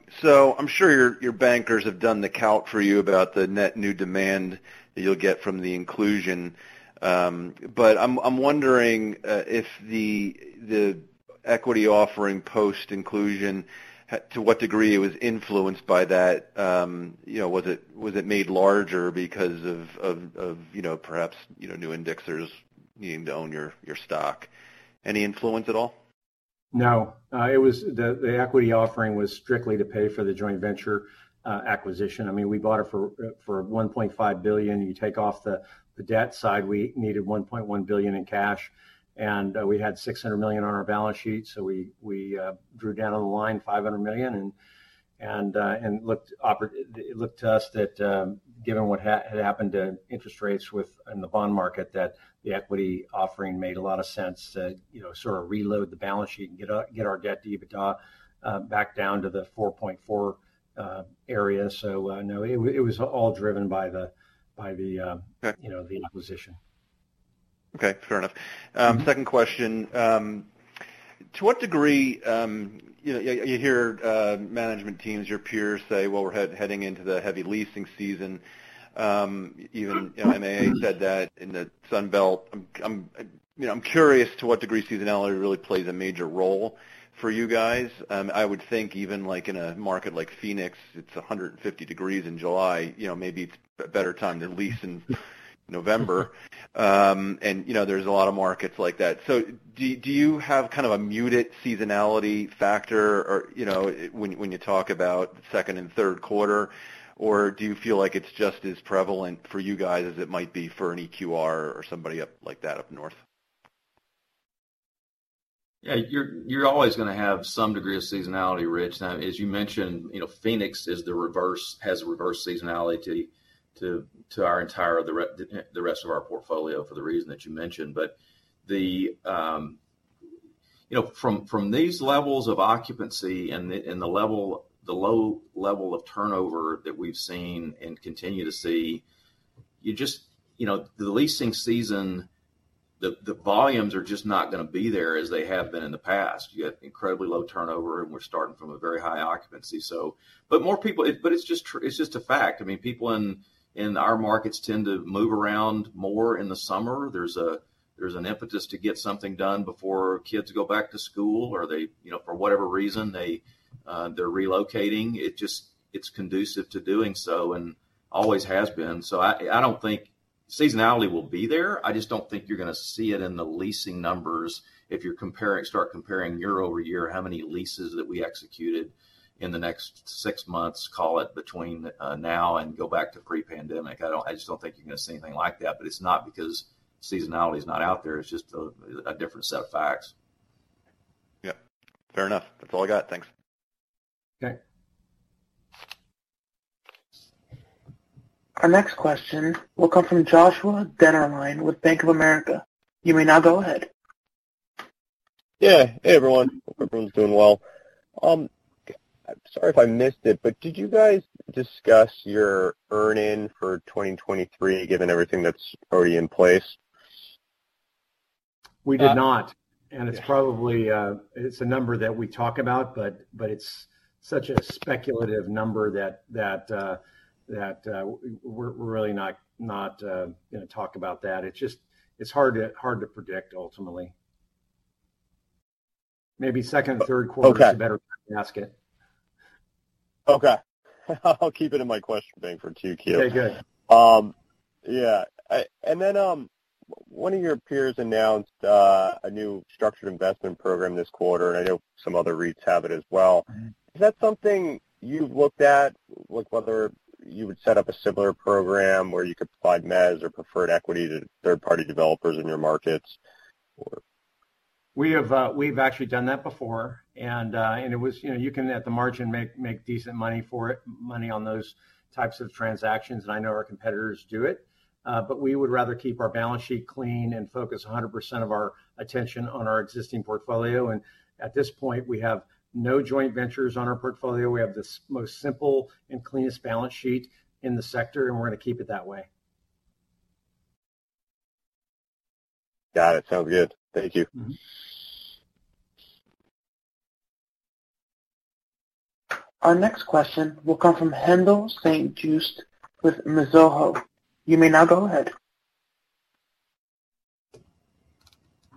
sure your bankers have done the calc for you about the net new demand that you'll get from the inclusion. I'm wondering if the equity offering post-inclusion to what degree it was influenced by that. You know, was it made larger because of you know perhaps you know new indexers needing to own your stock? Any influence at all? No. The equity offering was strictly to pay for the joint venture acquisition. I mean, we bought it for $1.5 billion. You take off the debt side, we needed $1.1 billion in cash, and we had $600 million on our balance sheet, so we drew down the line $500 million and it looked to us that, given what had happened to interest rates within the bond market, that the equity offering made a lot of sense to, you know, sort of reload the balance sheet and get our debt to EBITDA back down to the 4.4 area. No, it was all driven by the, you know, the acquisition. Okay. Fair enough. Second question. To what degree, you know, you hear management teams, your peers say, well, we're heading into the heavy leasing season, even MAA said that in the Sun Belt. You know, I'm curious to what degree seasonality really plays a major role for you guys. I would think even, like, in a market like Phoenix, it's 150 degrees in July, you know, maybe it's a better time than leasing November. And, you know, there's a lot of markets like that. So do you have kind of a muted seasonality factor or, you know, when you talk about second, and third quarter, or do you feel like it's just as prevalent for you guys as it might be for an EQR or somebody up north? Yeah, you're always gonna have some degree of seasonality, Rich. Now, as you mentioned, you know, Phoenix has a reverse seasonality to the rest of our portfolio for the reason that you mentioned. From these levels of occupancy and the low level of turnover that we've seen and continue to see, you know, the leasing season, the volumes are just not gonna be there as they have been in the past. You got incredibly low turnover, and we're starting from a very high occupancy. It's just a fact. I mean, people in our markets tend to move around more in the summer. There's an impetus to get something done before kids go back to school or they, you know, for whatever reason, they're relocating. It just, it's conducive to doing so and always has been. I don't think seasonality will be there. I just don't think you're gonna see it in the leasing numbers if you're comparing year-over-year, how many leases that we executed in the next six months, call it between now and go back to pre-pandemic. I just don't think you're gonna see anything like that. It's not because seasonality is not out there, it's just a different set of facts. Yeah. Fair enough. That's all I got. Thanks. Okay. Our next question will come from Joshua Dennerlein with Bank of America. You may now go ahead. Yeah. Hey, everyone. Hope everyone's doing well. Sorry if I missed it, but did you guys discuss your earnings for 2023, given everything that's already in place? We did not, and it's probably it's a number that we talk about, but it's such a speculative number that we're really not gonna talk about that. It's just it's hard to predict, ultimately. Maybe second, third quarter is a better time to ask it. Okay. I'll keep it in my question bank for Q2. Okay, good. Yeah. One of your peers announced a new structured investment program this quarter, and I know some other REITs have it as well. Is that something you've looked at, like whether you would set up a similar program where you could provide mezz or preferred equity to third-party developers in your markets or- We've actually done that before. You know, you can at the margin make decent money on those types of transactions, and I know our competitors do it. But we would rather keep our balance sheet clean, and focus 100% of our attention on our existing portfolio. At this point, we have no joint ventures on our portfolio. We have the most simple and cleanest balance sheet in the sector, and we're gonna keep it that way. Got it. Sounds good. Thank you. Mm-hmm. Our next question will come from Haendel St. Juste with Mizuho. You may now go ahead.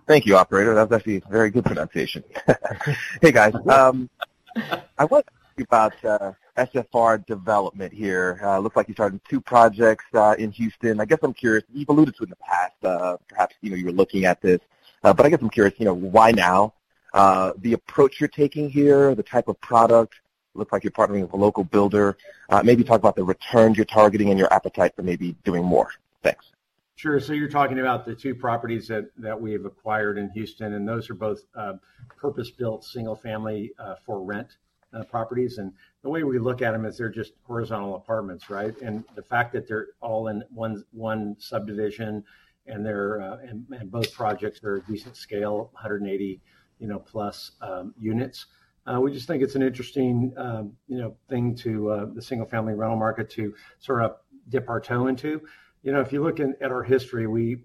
Thank you, operator. That's actually a very good pronunciation. Hey, guys. I want to ask you about SFR development here. Looks like you started two projects in Houston. I guess I'm curious. You've alluded to in the past, perhaps, you know, you were looking at this. But I guess I'm curious, you know, why now? The approach you're taking here, the type of product. Looks like you're partnering with a local builder. Maybe talk about the returns you're targeting and your appetite for maybe doing more. Thanks. Sure. You're talking about the two properties that we have acquired in Houston, and those are both purpose-built single family for rent properties. The way we look at them is they're just horizontal apartments, right? The fact that they're all in one subdivision and both projects are a decent scale, 180, you know, plus units. We just think it's an interesting thing to the single family rental market to sort of dip our toe into. You know, if you look at our history, we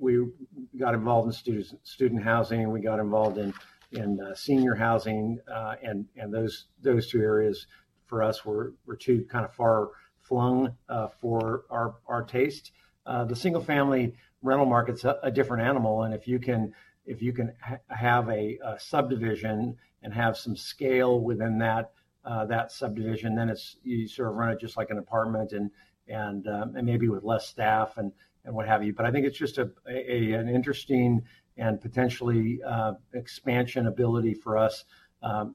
got involved in student housing, and we got involved in senior housing, and those two areas for us were too kind of far-flung for our taste. The single family rental market's a different animal, and if you can have a subdivision and have some scale within that subdivision, then it's you sort of run it just like an apartment and maybe with less staff and what have you. I think it's just an interesting and potentially expansion ability for us,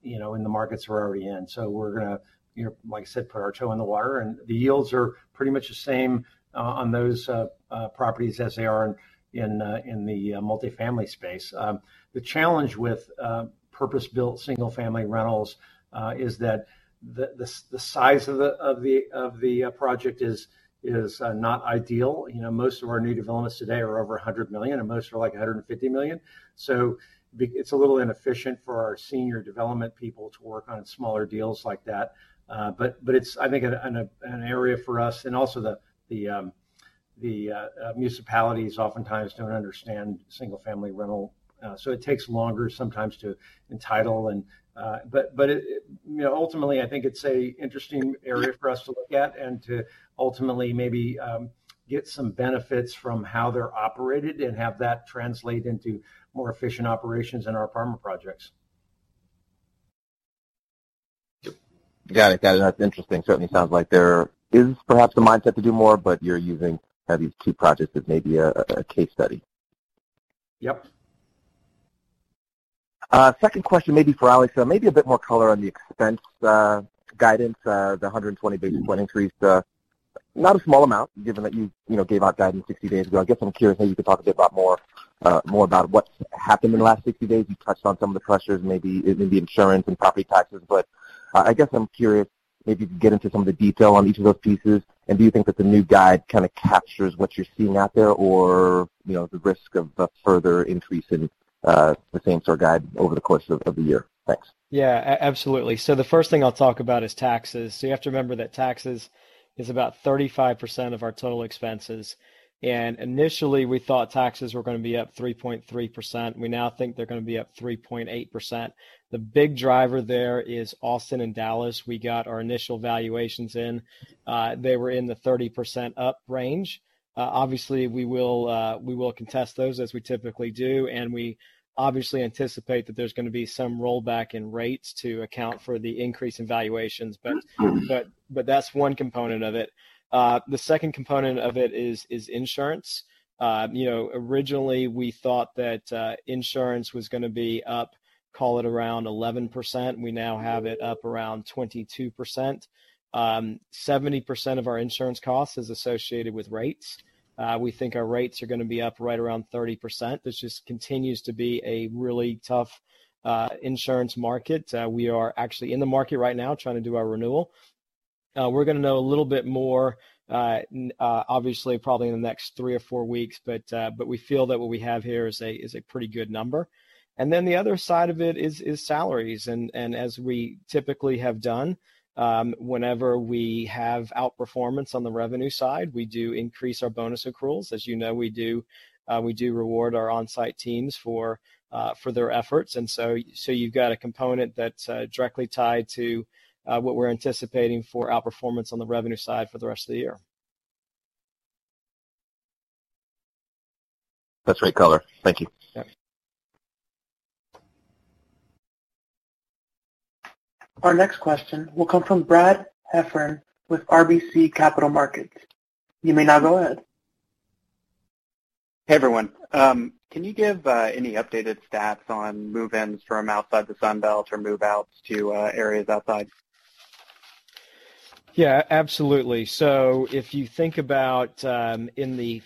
you know, in the markets we're already in. We're gonna, you know, like I said, put our toe in the water, and the yields are pretty much the same on those properties as they are in the multifamily space. The challenge with purpose-built single family rentals is that the size of the project is not ideal. You know, most of our new developments today are over $100 million, and most are like $150 million. It's a little inefficient for our senior development people to work on smaller deals like that. It's, I think, an area for us and also the municipalities oftentimes don't understand single family rental. It takes longer sometimes to entitle and but it, you know, ultimately, I think it's an interesting area for us to look at and to ultimately maybe get some benefits from how they're operated and have that translate into more efficient operations in our apartment projects. Got it. That's interesting. Certainly sounds like there is perhaps the mindset to do more, but you're using these two projects as maybe a case study. Yep. Second question maybe for Alex. So maybe a bit more color on the expense guidance, the 120 basis point increase. Not a small amount, given that you know gave out guidance 60 days ago. I guess I'm curious maybe you could talk a bit about more about what's happened in the last 60 days. You touched on some of the pressures, maybe insurance, and property taxes. I guess I'm curious, maybe if you could get into some of the detail on each of those pieces. Do you think that the new guide kind of captures what you're seeing out there or, you know, the risk of a further increase in the same sort of guide over the course of the year? Thanks. Absolutely. The first thing I'll talk about is taxes. You have to remember that taxes is about 35% of our total expenses. Initially, we thought taxes were gonna be up 3.3%. We now think they're gonna be up 3.8%. The big driver there is Austin and Dallas. We got our initial valuations in. They were in the 30% up range. Obviously, we will contest those as we typically do, and we obviously anticipate that there's gonna be some rollback in rates to account for the increase in valuations. That's one component of it. The second component of it is insurance. You know, originally, we thought that insurance was gonna be up, call it around 11%. We now have it up around 22%. 70% of our insurance cost is associated with rates. We think our rates are gonna be up right around 30%, which just continues to be a really tough insurance market. We are actually in the market right now trying to do our renewal. We're gonna know a little bit more, obviously, probably in the next three or four weeks, but we feel that what we have here is a pretty good number. The other side of it is salaries. As we typically have done, whenever we have outperformance on the revenue side, we do increase our bonus accruals. As you know, we do reward our on-site teams for their efforts. You've got a component that's directly tied to what we're anticipating for outperformance on the revenue side for the rest of the year. That's great color. Thank you. Yeah. Our next question will come from Brad Heffern with RBC Capital Markets. You may now go ahead. Hey, everyone. Can you give any updated stats on move-ins from outside the Sun Belt or move-outs to areas outside? Yeah, absolutely. If you think about, in the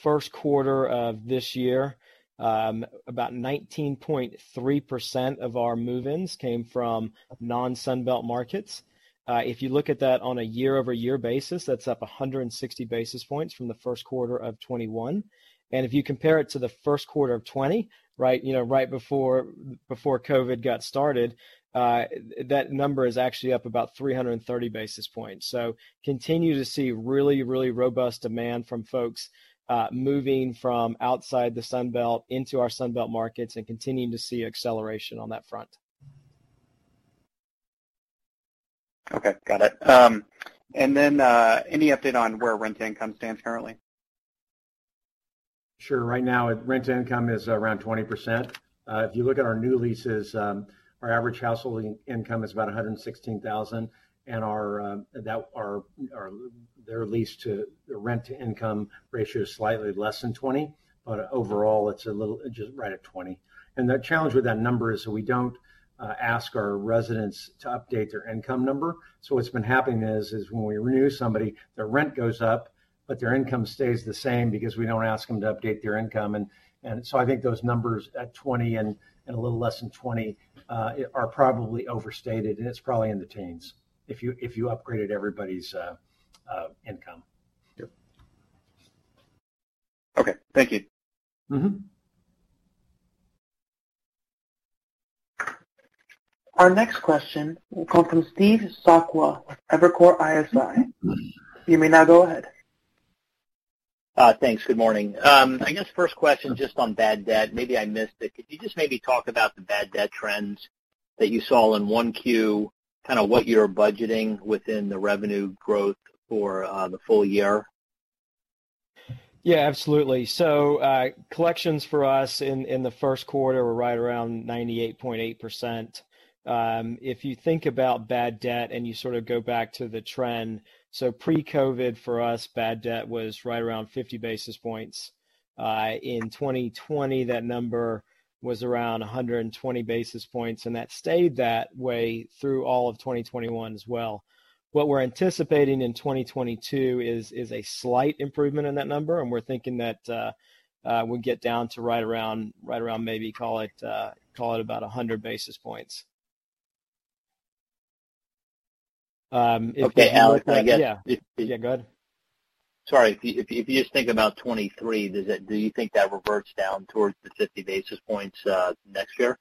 first quarter of this year, about 19.3% of our move-ins came from non-Sun Belt markets. If you look at that on a year-over-year basis, that's up 160 basis points from the first quarter of 2021. If you compare it to the first quarter of 2020, right, you know, right before COVID got started, that number is actually up about 330 basis points. Continue to see really robust demand from folks moving from outside the Sun Belt into our Sun Belt markets and continuing to see acceleration on that front. Okay. Got it. Any update on where rent income stands currently? Sure. Right now rent-to-income is around 20%. If you look at our new leases, our average household income is about $116,000, and our rent-to-income ratio is slightly less than 20%, but overall, it's just right at 20%. The challenge with that number is we don't ask our residents to update their income number. What's been happening is when we renew somebody, their rent goes up, but their income stays the same because we don't ask them to update their income. I think those numbers at 20% and a little less than 20% are probably overstated, and it's probably in the teens if you updated everybody's income. Yep. Okay. Thank you. Mm-hmm. Our next question will come from Steve Sakwa with Evercore ISI. You may now go ahead. Thanks. Good morning. I guess first question just on bad debt. Maybe I missed it. Could you just maybe talk about the bad debt trends that you saw in 1Q, kind of what you're budgeting within the revenue growth for the full year? Yeah, absolutely. Collections for us in the first quarter were right around 98.8%. If you think about bad debt and you sort of go back to the trend, pre-COVID for us, bad debt was right around 50 basis points. In 2020, that number was around 120 basis points, and that stayed that way through all of 2021 as well. What we're anticipating in 2022 is a slight improvement in that number, and we're thinking that we'll get down to right around maybe call it about 100 basis points. Okay. Alex, can I get- Yeah. Yeah, go ahead. Sorry. If you just think about 2023, do you think that reverts down towards the 50 basis points next year?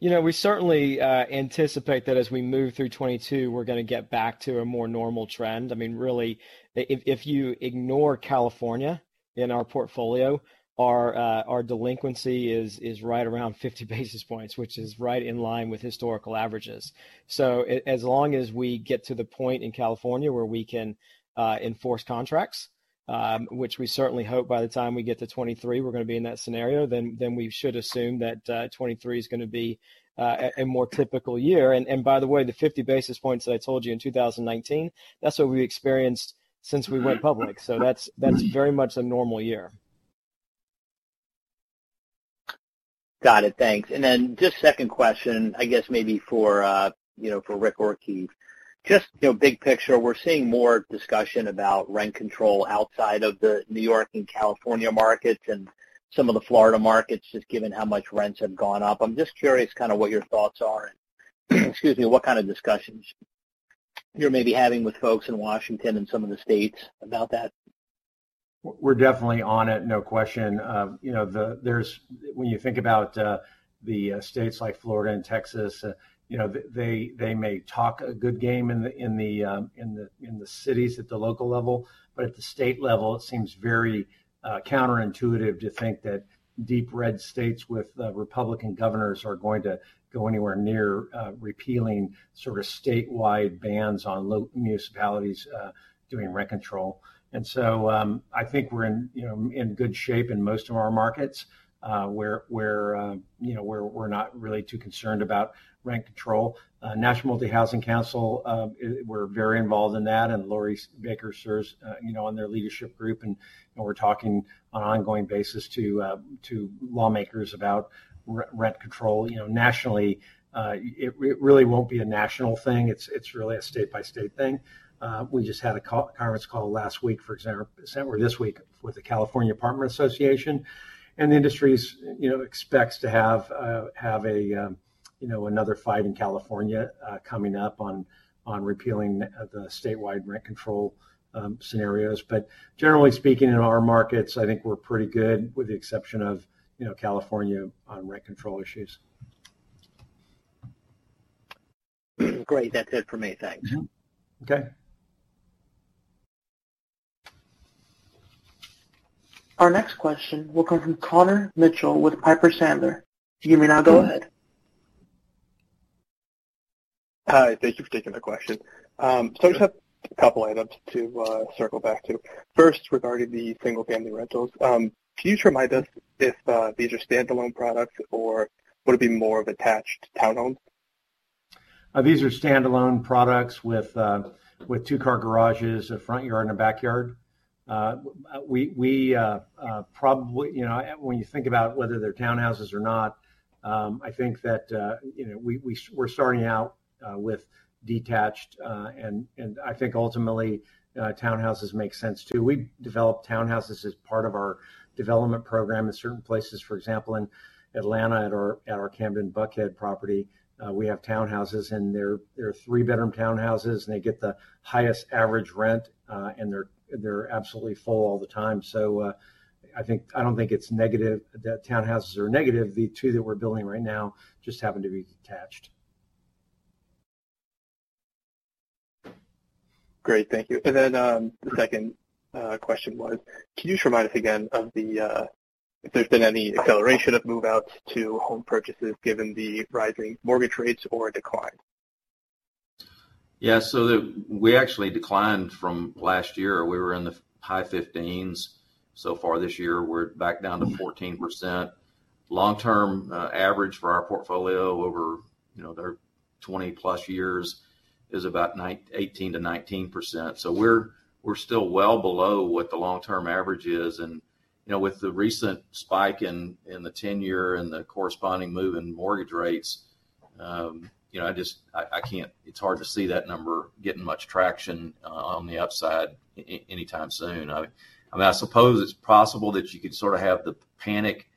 You know, we certainly anticipate that as we move through 2022, we're gonna get back to a more normal trend. I mean, really, if you ignore California in our portfolio, our delinquency is right around 50 basis points, which is right in line with historical averages. As long as we get to the point in California where we can enforce contracts, which we certainly hope by the time we get to 2023 we're gonna be in that scenario, we should assume that 2023 is gonna be a more typical year. By the way, the 50 basis points that I told you in 2019, that's what we've experienced since we went public. That's very much a normal year. Got it. Thanks. Just second question, I guess maybe for, you know, for Ric or Keith. Just, you know, big picture, we're seeing more discussion about rent control outside of the New York and California markets and some of the Florida markets, just given how much rents have gone up. I'm just curious kind of what your thoughts are and, excuse me, what kind of discussions you're maybe having with folks in Washington and some of the states about that. We're definitely on it, no question. When you think about the states like Florida and Texas, you know, they may talk a good game in the cities at the local level. But at the state level, it seems very counterintuitive to think that deep red states with Republican governors are going to go anywhere near repealing sort of statewide bans on municipalities doing rent control. I think we're in good shape in most of our markets, where you know, we're not really too concerned about rent control. National Multifamily Housing Council, we're very involved in that, and Laurie Baker serves on their leadership group. You know, we're talking on an ongoing basis to lawmakers about rent control. You know, nationally, it really won't be a national thing. It's really a state-by-state thing. We just had a conference call last week, for example, or this week with the California Apartment Association, and the industry, you know, expects to have another fight in California coming up on repealing the statewide rent control scenarios. Generally speaking, in our markets, I think we're pretty good with the exception of California on rent control issues. Great. That's it for me. Thanks. Mm-hmm. Okay. Our next question will come from Connor Mitchell with Piper Sandler. You may now go ahead. Hi. Thank you for taking the question. I just have a couple items to circle back to. First, regarding the single-family rentals. Can you just remind us if these are standalone products or would it be more of attached townhomes? These are standalone products with two-car garages, a front yard, and a backyard. We probably, you know, when you think about whether they're townhouses or not, I think that, you know, we're starting out with detached. I think ultimately townhouses make sense too. We develop townhouses as part of our development program in certain places. For example, in Atlanta at our Camden Buckhead property, we have townhouses, and they're three-bedroom townhouses, and they get the highest average rent, and they're absolutely full all the time. I think I don't think it's negative that townhouses are negative. The two that we're building right now just happen to be detached. Great. Thank you. The second question was, can you just remind us again of the, if there's been any acceleration of move-outs to home purchases given the rising mortgage rates or a decline? Yeah. We actually declined from last year. We were in the high 15s. So far this year, we're back down to 14%. Long-term average for our portfolio over, you know, the 20+ years is about 18%-19%. We're still well below what the long-term average is. You know, with the recent spike in the ten-year and the corresponding move in mortgage rates, you know, I just can't. It's hard to see that number getting much traction on the upside anytime soon. I mean, I suppose it's possible that you could sort of have the panic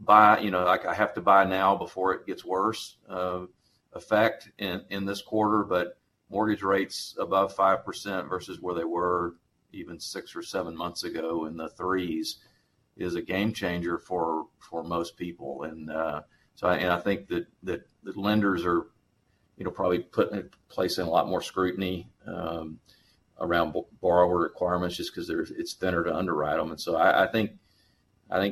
buy, you know, like I have to buy now before it gets worse, effect in this quarter. Mortgage rates above 5% versus where they were even six or seven months ago in the threes is a game changer for most people. I think that the lenders are, you know, probably placing a lot more scrutiny around borrower requirements just 'cause they're, it's thinner to underwrite them. I think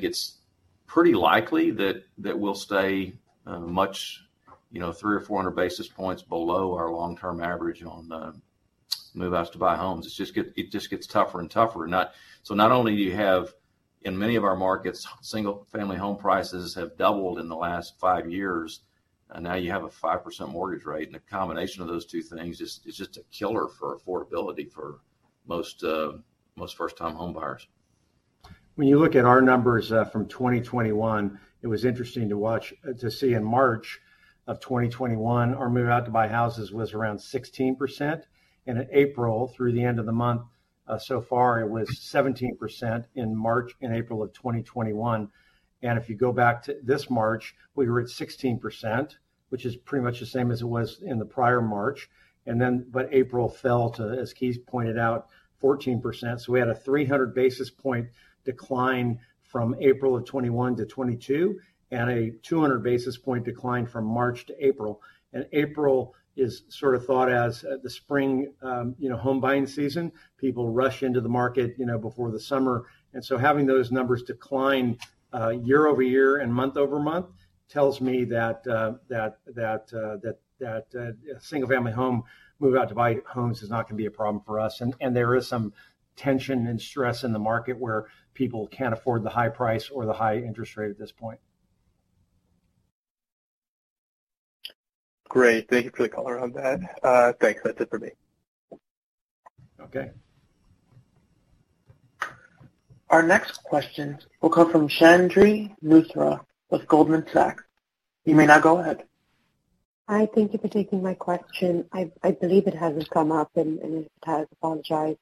it's pretty likely that we'll stay much, you know, 300 or 400 basis points below our long-term average on move-outs to buy homes. It just gets tougher and tougher. Not only do you have, in many of our markets, single-family home prices have doubled in the last five years, and now you have a 5% mortgage rate. The combination of those two things is just a killer for affordability for most first-time home buyers. When you look at our numbers from 2021, it was interesting to watch to see in March of 2021, our move-out to buy houses was around 16%. In April, through the end of the month, so far it was 17% in March and April of 2021. If you go back to this March, we were at 16%, which is pretty much the same as it was in the prior March. April fell to, as Keith pointed out, 14%. We had a 300 basis point decline from April of 2021 to 2022, and a 200 basis point decline from March to April. April is sort of thought of as the spring, you know, home buying season. People rush into the market, you know, before the summer. Having those numbers decline year-over-year and month-over-month tells me that single family home move-out to buy homes is not gonna be a problem for us. There is some tension and stress in the market where people can't afford the high price or the high interest rate at this point. Great. Thank you for the color on that. Thanks. That's it for me. Okay. Our next question will come from Chandni Luthra with Goldman Sachs. You may now go ahead. Hi. Thank you for taking my question. I believe it hasn't come up, and if it has, apologize.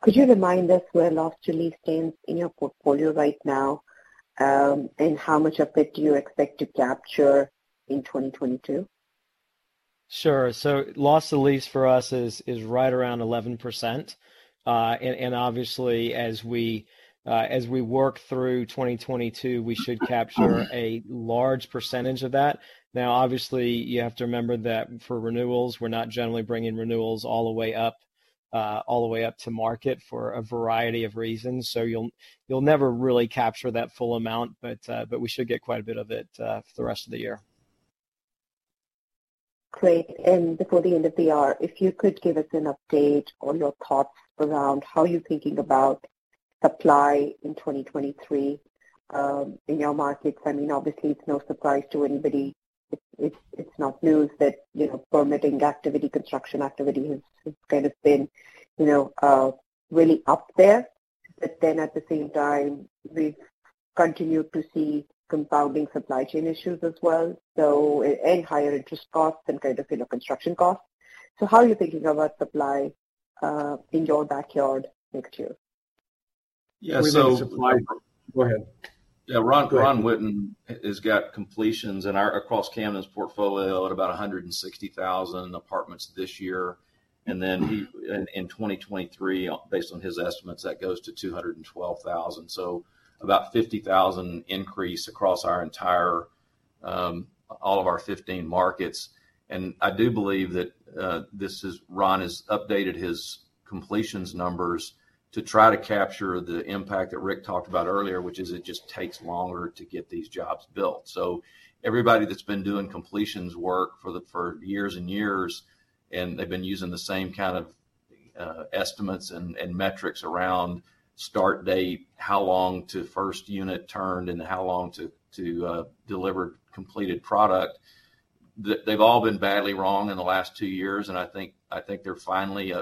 Could you remind us where loss to lease stands in your portfolio right now, and how much of it do you expect to capture in 2022? Sure. Loss to lease for us is right around 11%. Obviously, as we work through 2022, we should capture a large percentage of that. Now, obviously, you have to remember that for renewals, we're not generally bringing renewals all the way up to market for a variety of reasons. You'll never really capture that full amount, but we should get quite a bit of it for the rest of the year. Great. Before the end of the hour, if you could give us an update on your thoughts around how you're thinking about supply in 2023, in your markets. I mean, obviously, it's no surprise to anybody. It's not news that, you know, permitting activity, construction activity has kind of been, you know, really up there. At the same time, we've continued to see compounding supply chain issues as well, and higher interest costs and kind of, you know, construction costs. How are you thinking about supply, in your backyard next year? Yeah. Go ahead. Yeah. Ron Witten has got completions across Camden's portfolio at about 160,000 apartments this year. Then he in 2023, based on his estimates, that goes to 212,000. About 50,000 increase across all of our 15 markets. I do believe that this is. Ron has updated his completions numbers to try to capture the impact that Rick talked about earlier, which is it just takes longer to get these jobs built. Everybody that's been doing completions work for years and years, and they've been using the same kind of estimates and metrics around start date, how long to first unit turned, and how long to deliver completed product. They've all been badly wrong in the last two years, and I think they're finally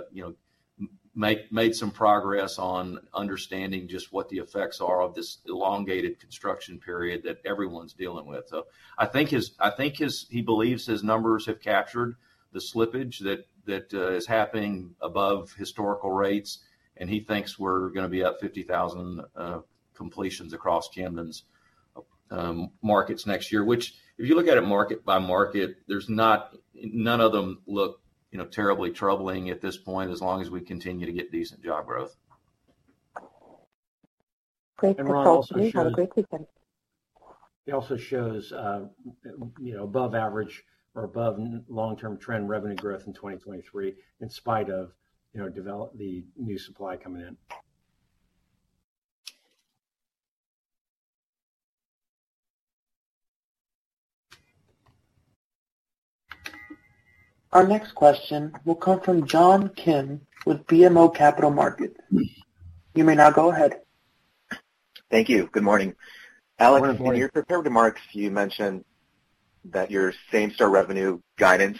made some progress on understanding just what the effects are of this elongated construction period that everyone's dealing with. I think he believes his numbers have captured the slippage that is happening above historical rates, and he thinks we're gonna be at 50,000 completions across Camden's markets next year. Which if you look at it market by market, there's not. None of them look, you know, terribly troubling at this point, as long as we continue to get decent job growth. Great. Thanks, all. Have a great weekend. He also shows, you know, above average or above the long-term trend revenue growth in 2023, in spite of, you know, development of new supply coming in. Our next question will come from John Kim with BMO Capital Markets. You may now go ahead. Thank you. Good morning. Good morning. Alex, in your prepared remarks, you mentioned that your same-store revenue guidance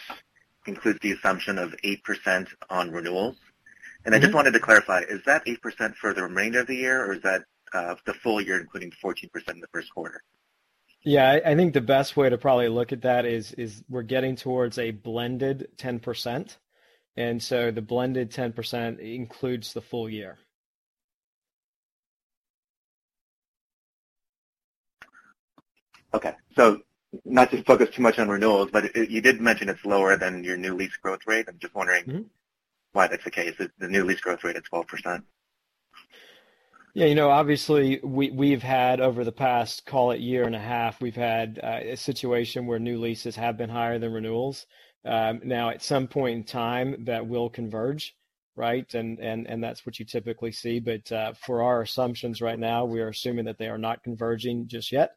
includes the assumption of 8% on renewals. Mm-hmm. I just wanted to clarify, is that 8% for the remainder of the year, or is that the full year, including 14% in the first quarter? Yeah. I think the best way to probably look at that is we're getting towards a blended 10%, and so the blended 10% includes the full year. Okay. Not to focus too much on renewals, but you did mention it's lower than your new lease growth rate. I'm just wondering. Mm-hmm why that's the case. The new lease growth rate is 12%. Yeah. You know, obviously we've had over the past, call it year and a half, a situation where new leases have been higher than renewals. Now, at some point in time, that will converge, right? That's what you typically see. For our assumptions right now, we are assuming that they are not converging just yet.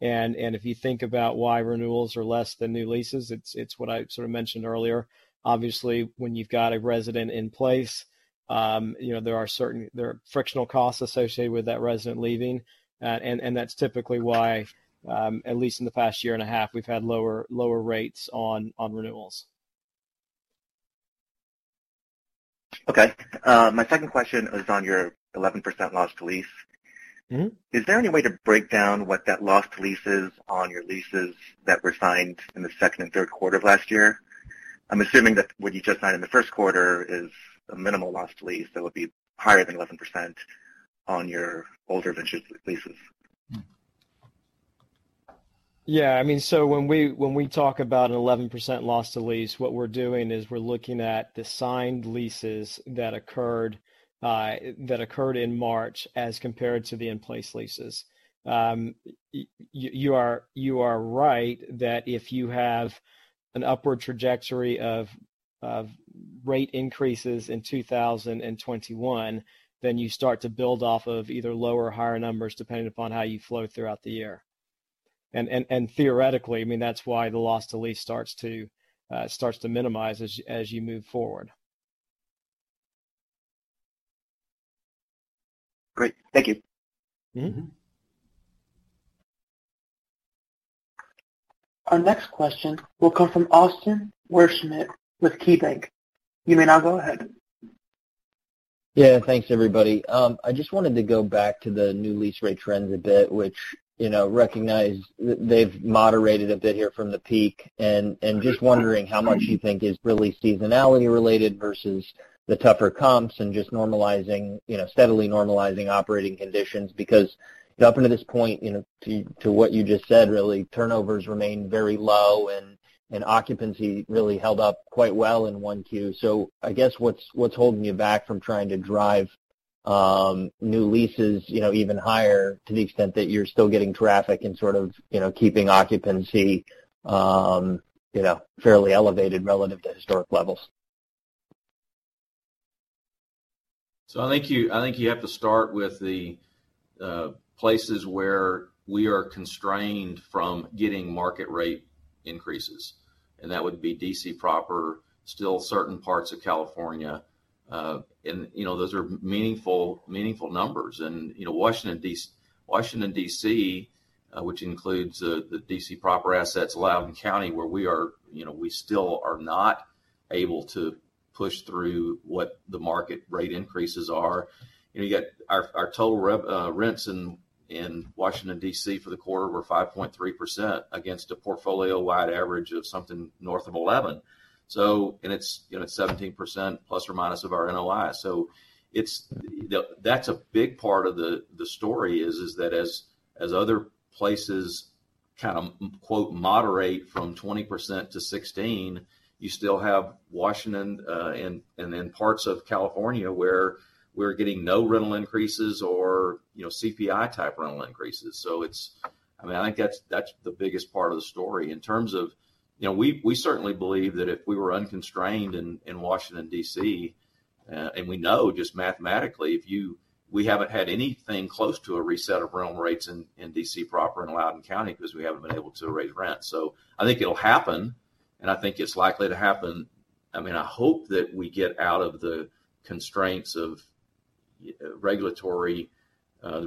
If you think about why renewals are less than new leases, it's what I sort of mentioned earlier. Obviously, when you've got a resident in place, you know, there are frictional costs associated with that resident leaving. That's typically why, at least in the past year and a half, we've had lower rates on renewals. Okay. My second question is on your 11% loss to lease. Mm-hmm. Is there any way to break down what that loss to lease is on your leases that were signed in the second and third quarter of last year? I'm assuming that what you just signed in the first quarter is a minimal loss to lease, so it would be higher than 11% on your older leases. Yeah. I mean, when we talk about an 11% loss to lease, what we're doing is we're looking at the signed leases that occurred in March as compared to the in-place leases. You are right that if you have an upward trajectory of rate increases in 2021, then you start to build off of either lower or higher numbers, depending upon how you flow throughout the year. Theoretically, I mean, that's why the loss to lease starts to minimize as you move forward. Great. Thank you. Mm-hmm. Our next question will come from Austin Wurschmidt with KeyBanc. You may now go ahead. Yeah. Thanks, everybody. I just wanted to go back to the new lease rate trends a bit, which, you know, recognize they've moderated a bit here from the peak. Just wondering how much you think is really seasonality related versus the tougher comps and just normalizing, you know, steadily normalizing operating conditions. Because, you know, up until this point, you know, to what you just said, really, turnovers remain very low and occupancy really held up quite well in 1Q. I guess, what's holding you back from trying to drive new leases, you know, even higher, to the extent that you're still getting traffic and sort of, you know, keeping occupancy, you know, fairly elevated relative to historic levels? I think you have to start with the places where we are constrained from getting market rate increases, and that would be D.C. proper, still certain parts of California. You know, those are meaningful numbers. You know, Washington, D.C., which includes the D.C. proper assets, Loudoun County, where we are, you know, we still are not able to push through what the market rate increases are. You know, you got our total rev rents in Washington, D.C. for the quarter were 5.3% against a portfolio-wide average of something north of 11. It's, you know, 17% plus or minus of our NOI. That's a big part of the story is that as other places kind of quote 'moderate' from 20% to 16%, you still have Washington and then parts of California where we're getting no rental increases or, you know, CPI-type rental increases. I mean, I think that's the biggest part of the story. You know, we certainly believe that if we were unconstrained in Washington, D.C., and we know just mathematically, we haven't had anything close to a reset of room rates in D.C. proper and Loudoun County because we haven't been able to raise rent. I think it'll happen, and I think it's likely to happen. I mean, I hope that we get out of the constraints of Regulatory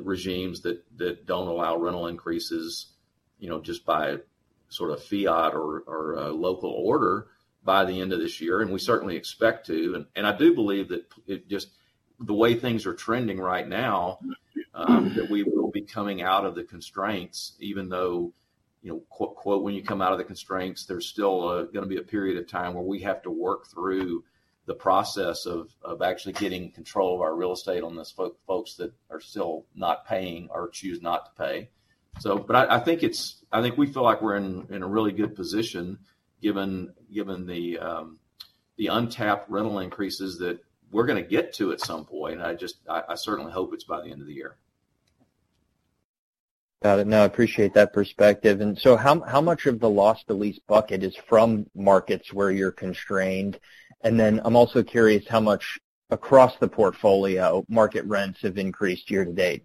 regimes that don't allow rental increases, you know, just by sort of fiat or local order by the end of this year, and we certainly expect to. I do believe that it just the way things are trending right now, that we will be coming out of the constraints, even though, you know, quote, "When you come out of the constraints, there's still gonna be a period of time where we have to work through the process of actually getting control of our real estate on those folks that are still not paying or choose not to pay." But I think we feel like we're in a really good position given the untapped rental increases that we're gonna get to at some point, and I just. I certainly hope it's by the end of the year. Got it. No, I appreciate that perspective. How much of the loss to lease bucket is from markets where you're constrained? I'm also curious how much across the portfolio market rents have increased year to date?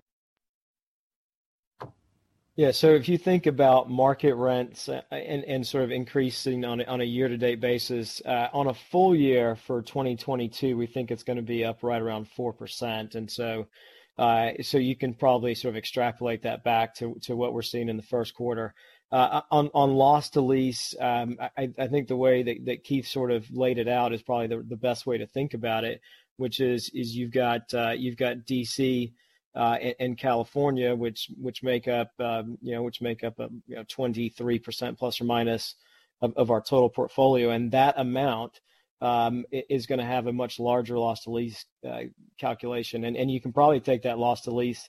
Yeah. If you think about market rents and sort of increasing on a year to date basis, on a full year for 2022, we think it's gonna be up right around 4%. You can probably sort of extrapolate that back to what we're seeing in the first quarter. On loss to lease, I think the way that Keith sort of laid it out is probably the best way to think about it, which is you've got D.C. and California, which make up you know 23% plus or minus of our total portfolio. That amount is gonna have a much larger loss to lease calculation. You can probably take that loss to lease,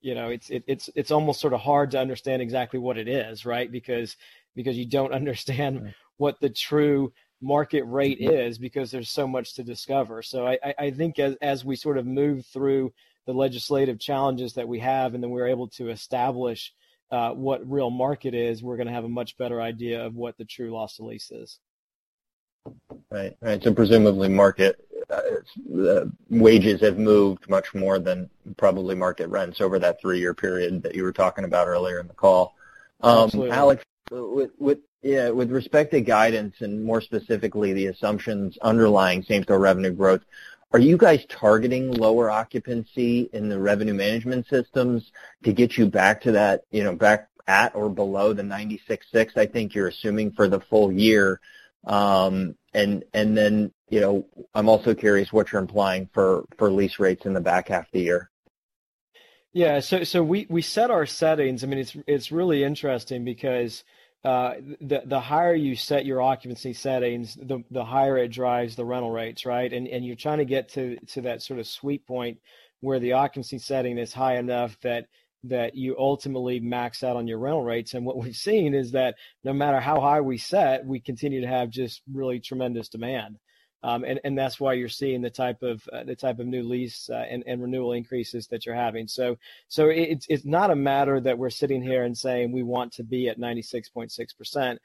you know, it's almost sort of hard to understand exactly what it is, right? Because you don't understand what the true market rate is, because there's so much to discover. I think as we sort of move through the legislative challenges that we have, and then we're able to establish what real market is, we're gonna have a much better idea of what the true loss to lease is. Right. Presumably market wages have moved much more than probably market rents over that three-year period that you were talking about earlier in the call. Absolutely. Alex, with respect to guidance, and more specifically, the assumptions underlying same store revenue growth, are you guys targeting lower occupancy in the revenue management systems to get you back to that, you know, back at or below the 96.6, I think you're assuming, for the full year? You know, I'm also curious what you're implying for lease rates in the back half of the year. Yeah. We set our settings. I mean, it's really interesting because the higher you set your occupancy settings, the higher it drives the rental rates, right? You're trying to get to that sort of sweet point where the occupancy setting is high enough that you ultimately max out on your rental rates. What we've seen is that no matter how high we set, we continue to have just really tremendous demand. That's why you're seeing the type of new lease and renewal increases that you're having. It's not a matter that we're sitting here and saying we want to be at 96.6%.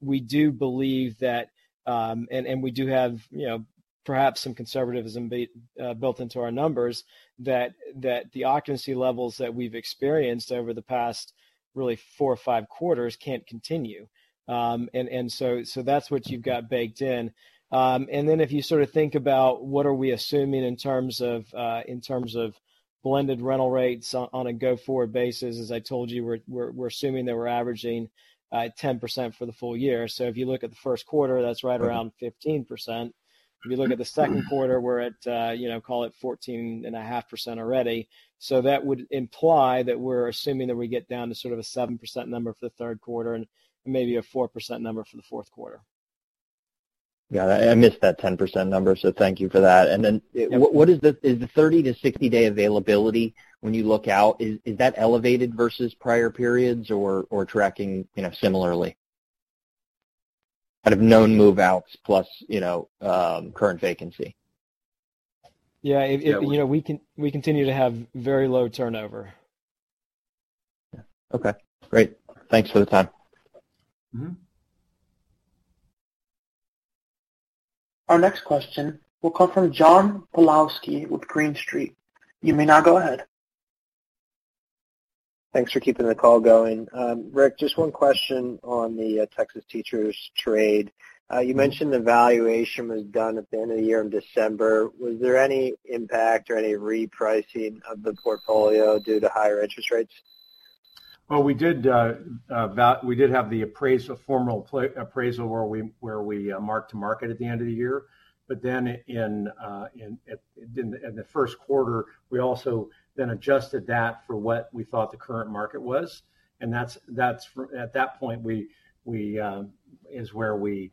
We do believe that and we do have, you know, perhaps some conservatism built into our numbers that the occupancy levels that we've experienced over the past really 4 or 5 quarters can't continue. That's what you've got baked in. If you sort of think about what we are assuming in terms of blended rental rates on a go forward basis, as I told you, we're assuming that we're averaging 10% for the full year. If you look at the first quarter, that's right around 15%. If you look at the second quarter, we're at, you know, call it 14.5% already. That would imply that we're assuming that we get down to sort of a 7% number for the third quarter and maybe a 4% number for the fourth quarter. Got it. I missed that 10% number, so thank you for that. Then- Yeah What is the 30- to 60-day availability when you look out, is that elevated versus prior periods or tracking, you know, similarly? Out of known move-outs plus, you know, current vacancy. Yeah, You know, we continue to have very low turnover. Okay, great. Thanks for the time. Mm-hmm. Our next question will come from John Pawlowski with Green Street. You may now go ahead. Thanks for keeping the call going. Rick, just one question on the Texas Teachers trade. You mentioned the valuation was done at the end of the year in December. Was there any impact or any repricing of the portfolio due to higher interest rates? Well, we did have the formal appraisal where we marked to market at the end of the year. In the first quarter, we also then adjusted that for what we thought the current market was, and at that point is where we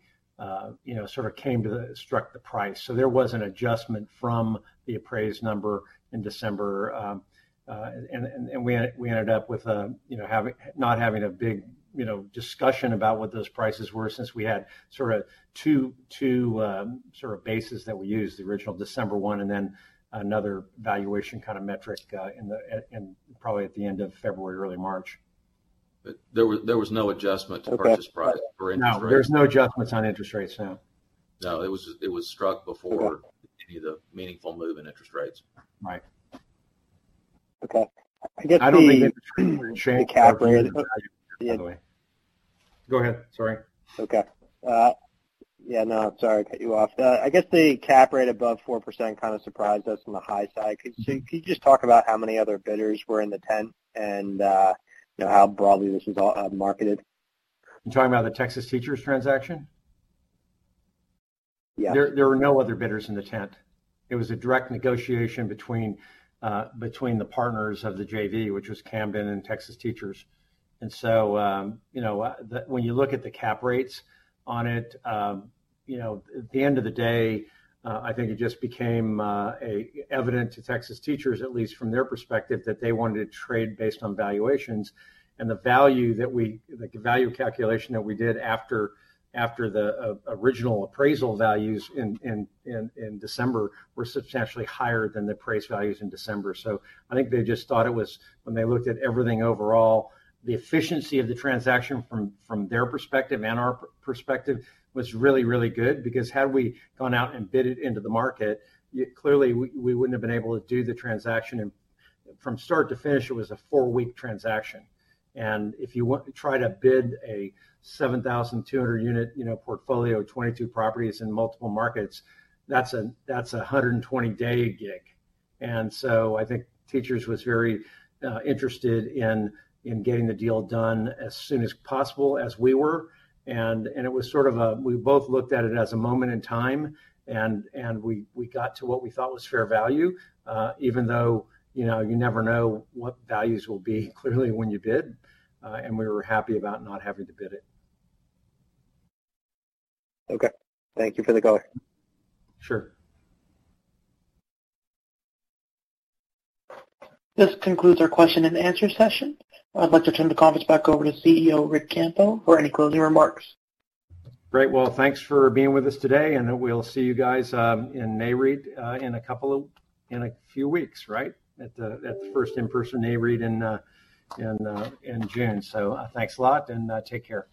you know, sort of came to the struck the price. There was an adjustment from the appraised number in December. We ended up with you know not having a big you know discussion about what those prices were since we had sort of two sort of bases that we used, the original December one, and then another valuation kind of metric in theat and probably at the end of February, early March. There was no adjustment to purchase price for interest rates? No, there was no adjustments on interest rates, no.No, it was struck before. Okay any of the meaningful move in interest rates. Right. Okay. I guessI don't think it will change our position and value, by the way. Yeah. Go ahead. Sorry. Okay. Yeah, no, sorry to cut you off. I guess the cap rate above 4% kind of surprised us on the high side. Mm-hmm. Could you just talk about how many other bidders were in the tent and, you know, how broadly this was all marketed? You're talking about the Texas Teachers transaction? Yeah. There were no other bidders in the tent. It was a direct negotiation between the partners of the JV, which was Camden and Texas Teachers. When you look at the cap rates on it, at the end of the day, I think it just became evident to Texas Teachers, at least from their perspective, that they wanted to trade based on valuations. The value that we, like the value calculation that we did after the original appraisal values in December, were substantially higher than the appraised values in December. I think they just thought it was, when they looked at everything overall, the efficiency of the transaction from their perspective and our perspective was really, really good. Because had we gone out and bid it into the market, clearly we wouldn't have been able to do the transaction. From start to finish, it was a 4-week transaction, and if you want try to bid a 7,200-unit, you know, portfolio, 22 properties in multiple markets, that's a 120-day gig. I think Teachers was very interested in getting the deal done as soon as possible as we were. It was sort of a we both looked at it as a moment in time and we got to what we thought was fair value, even though, you know, you never know what values will be clearly when you bid. We were happy about not having to bid it. Okay. Thank you for the color. Sure. This concludes our question and answer session. I'd like to turn the conference back over to CEO, Ric Campo, for any closing remarks. Great. Well, thanks for being with us today, and we'll see you guys in Nareit in a few weeks, right? At the first in-person Nareit in June. Thanks a lot and take care. Bye.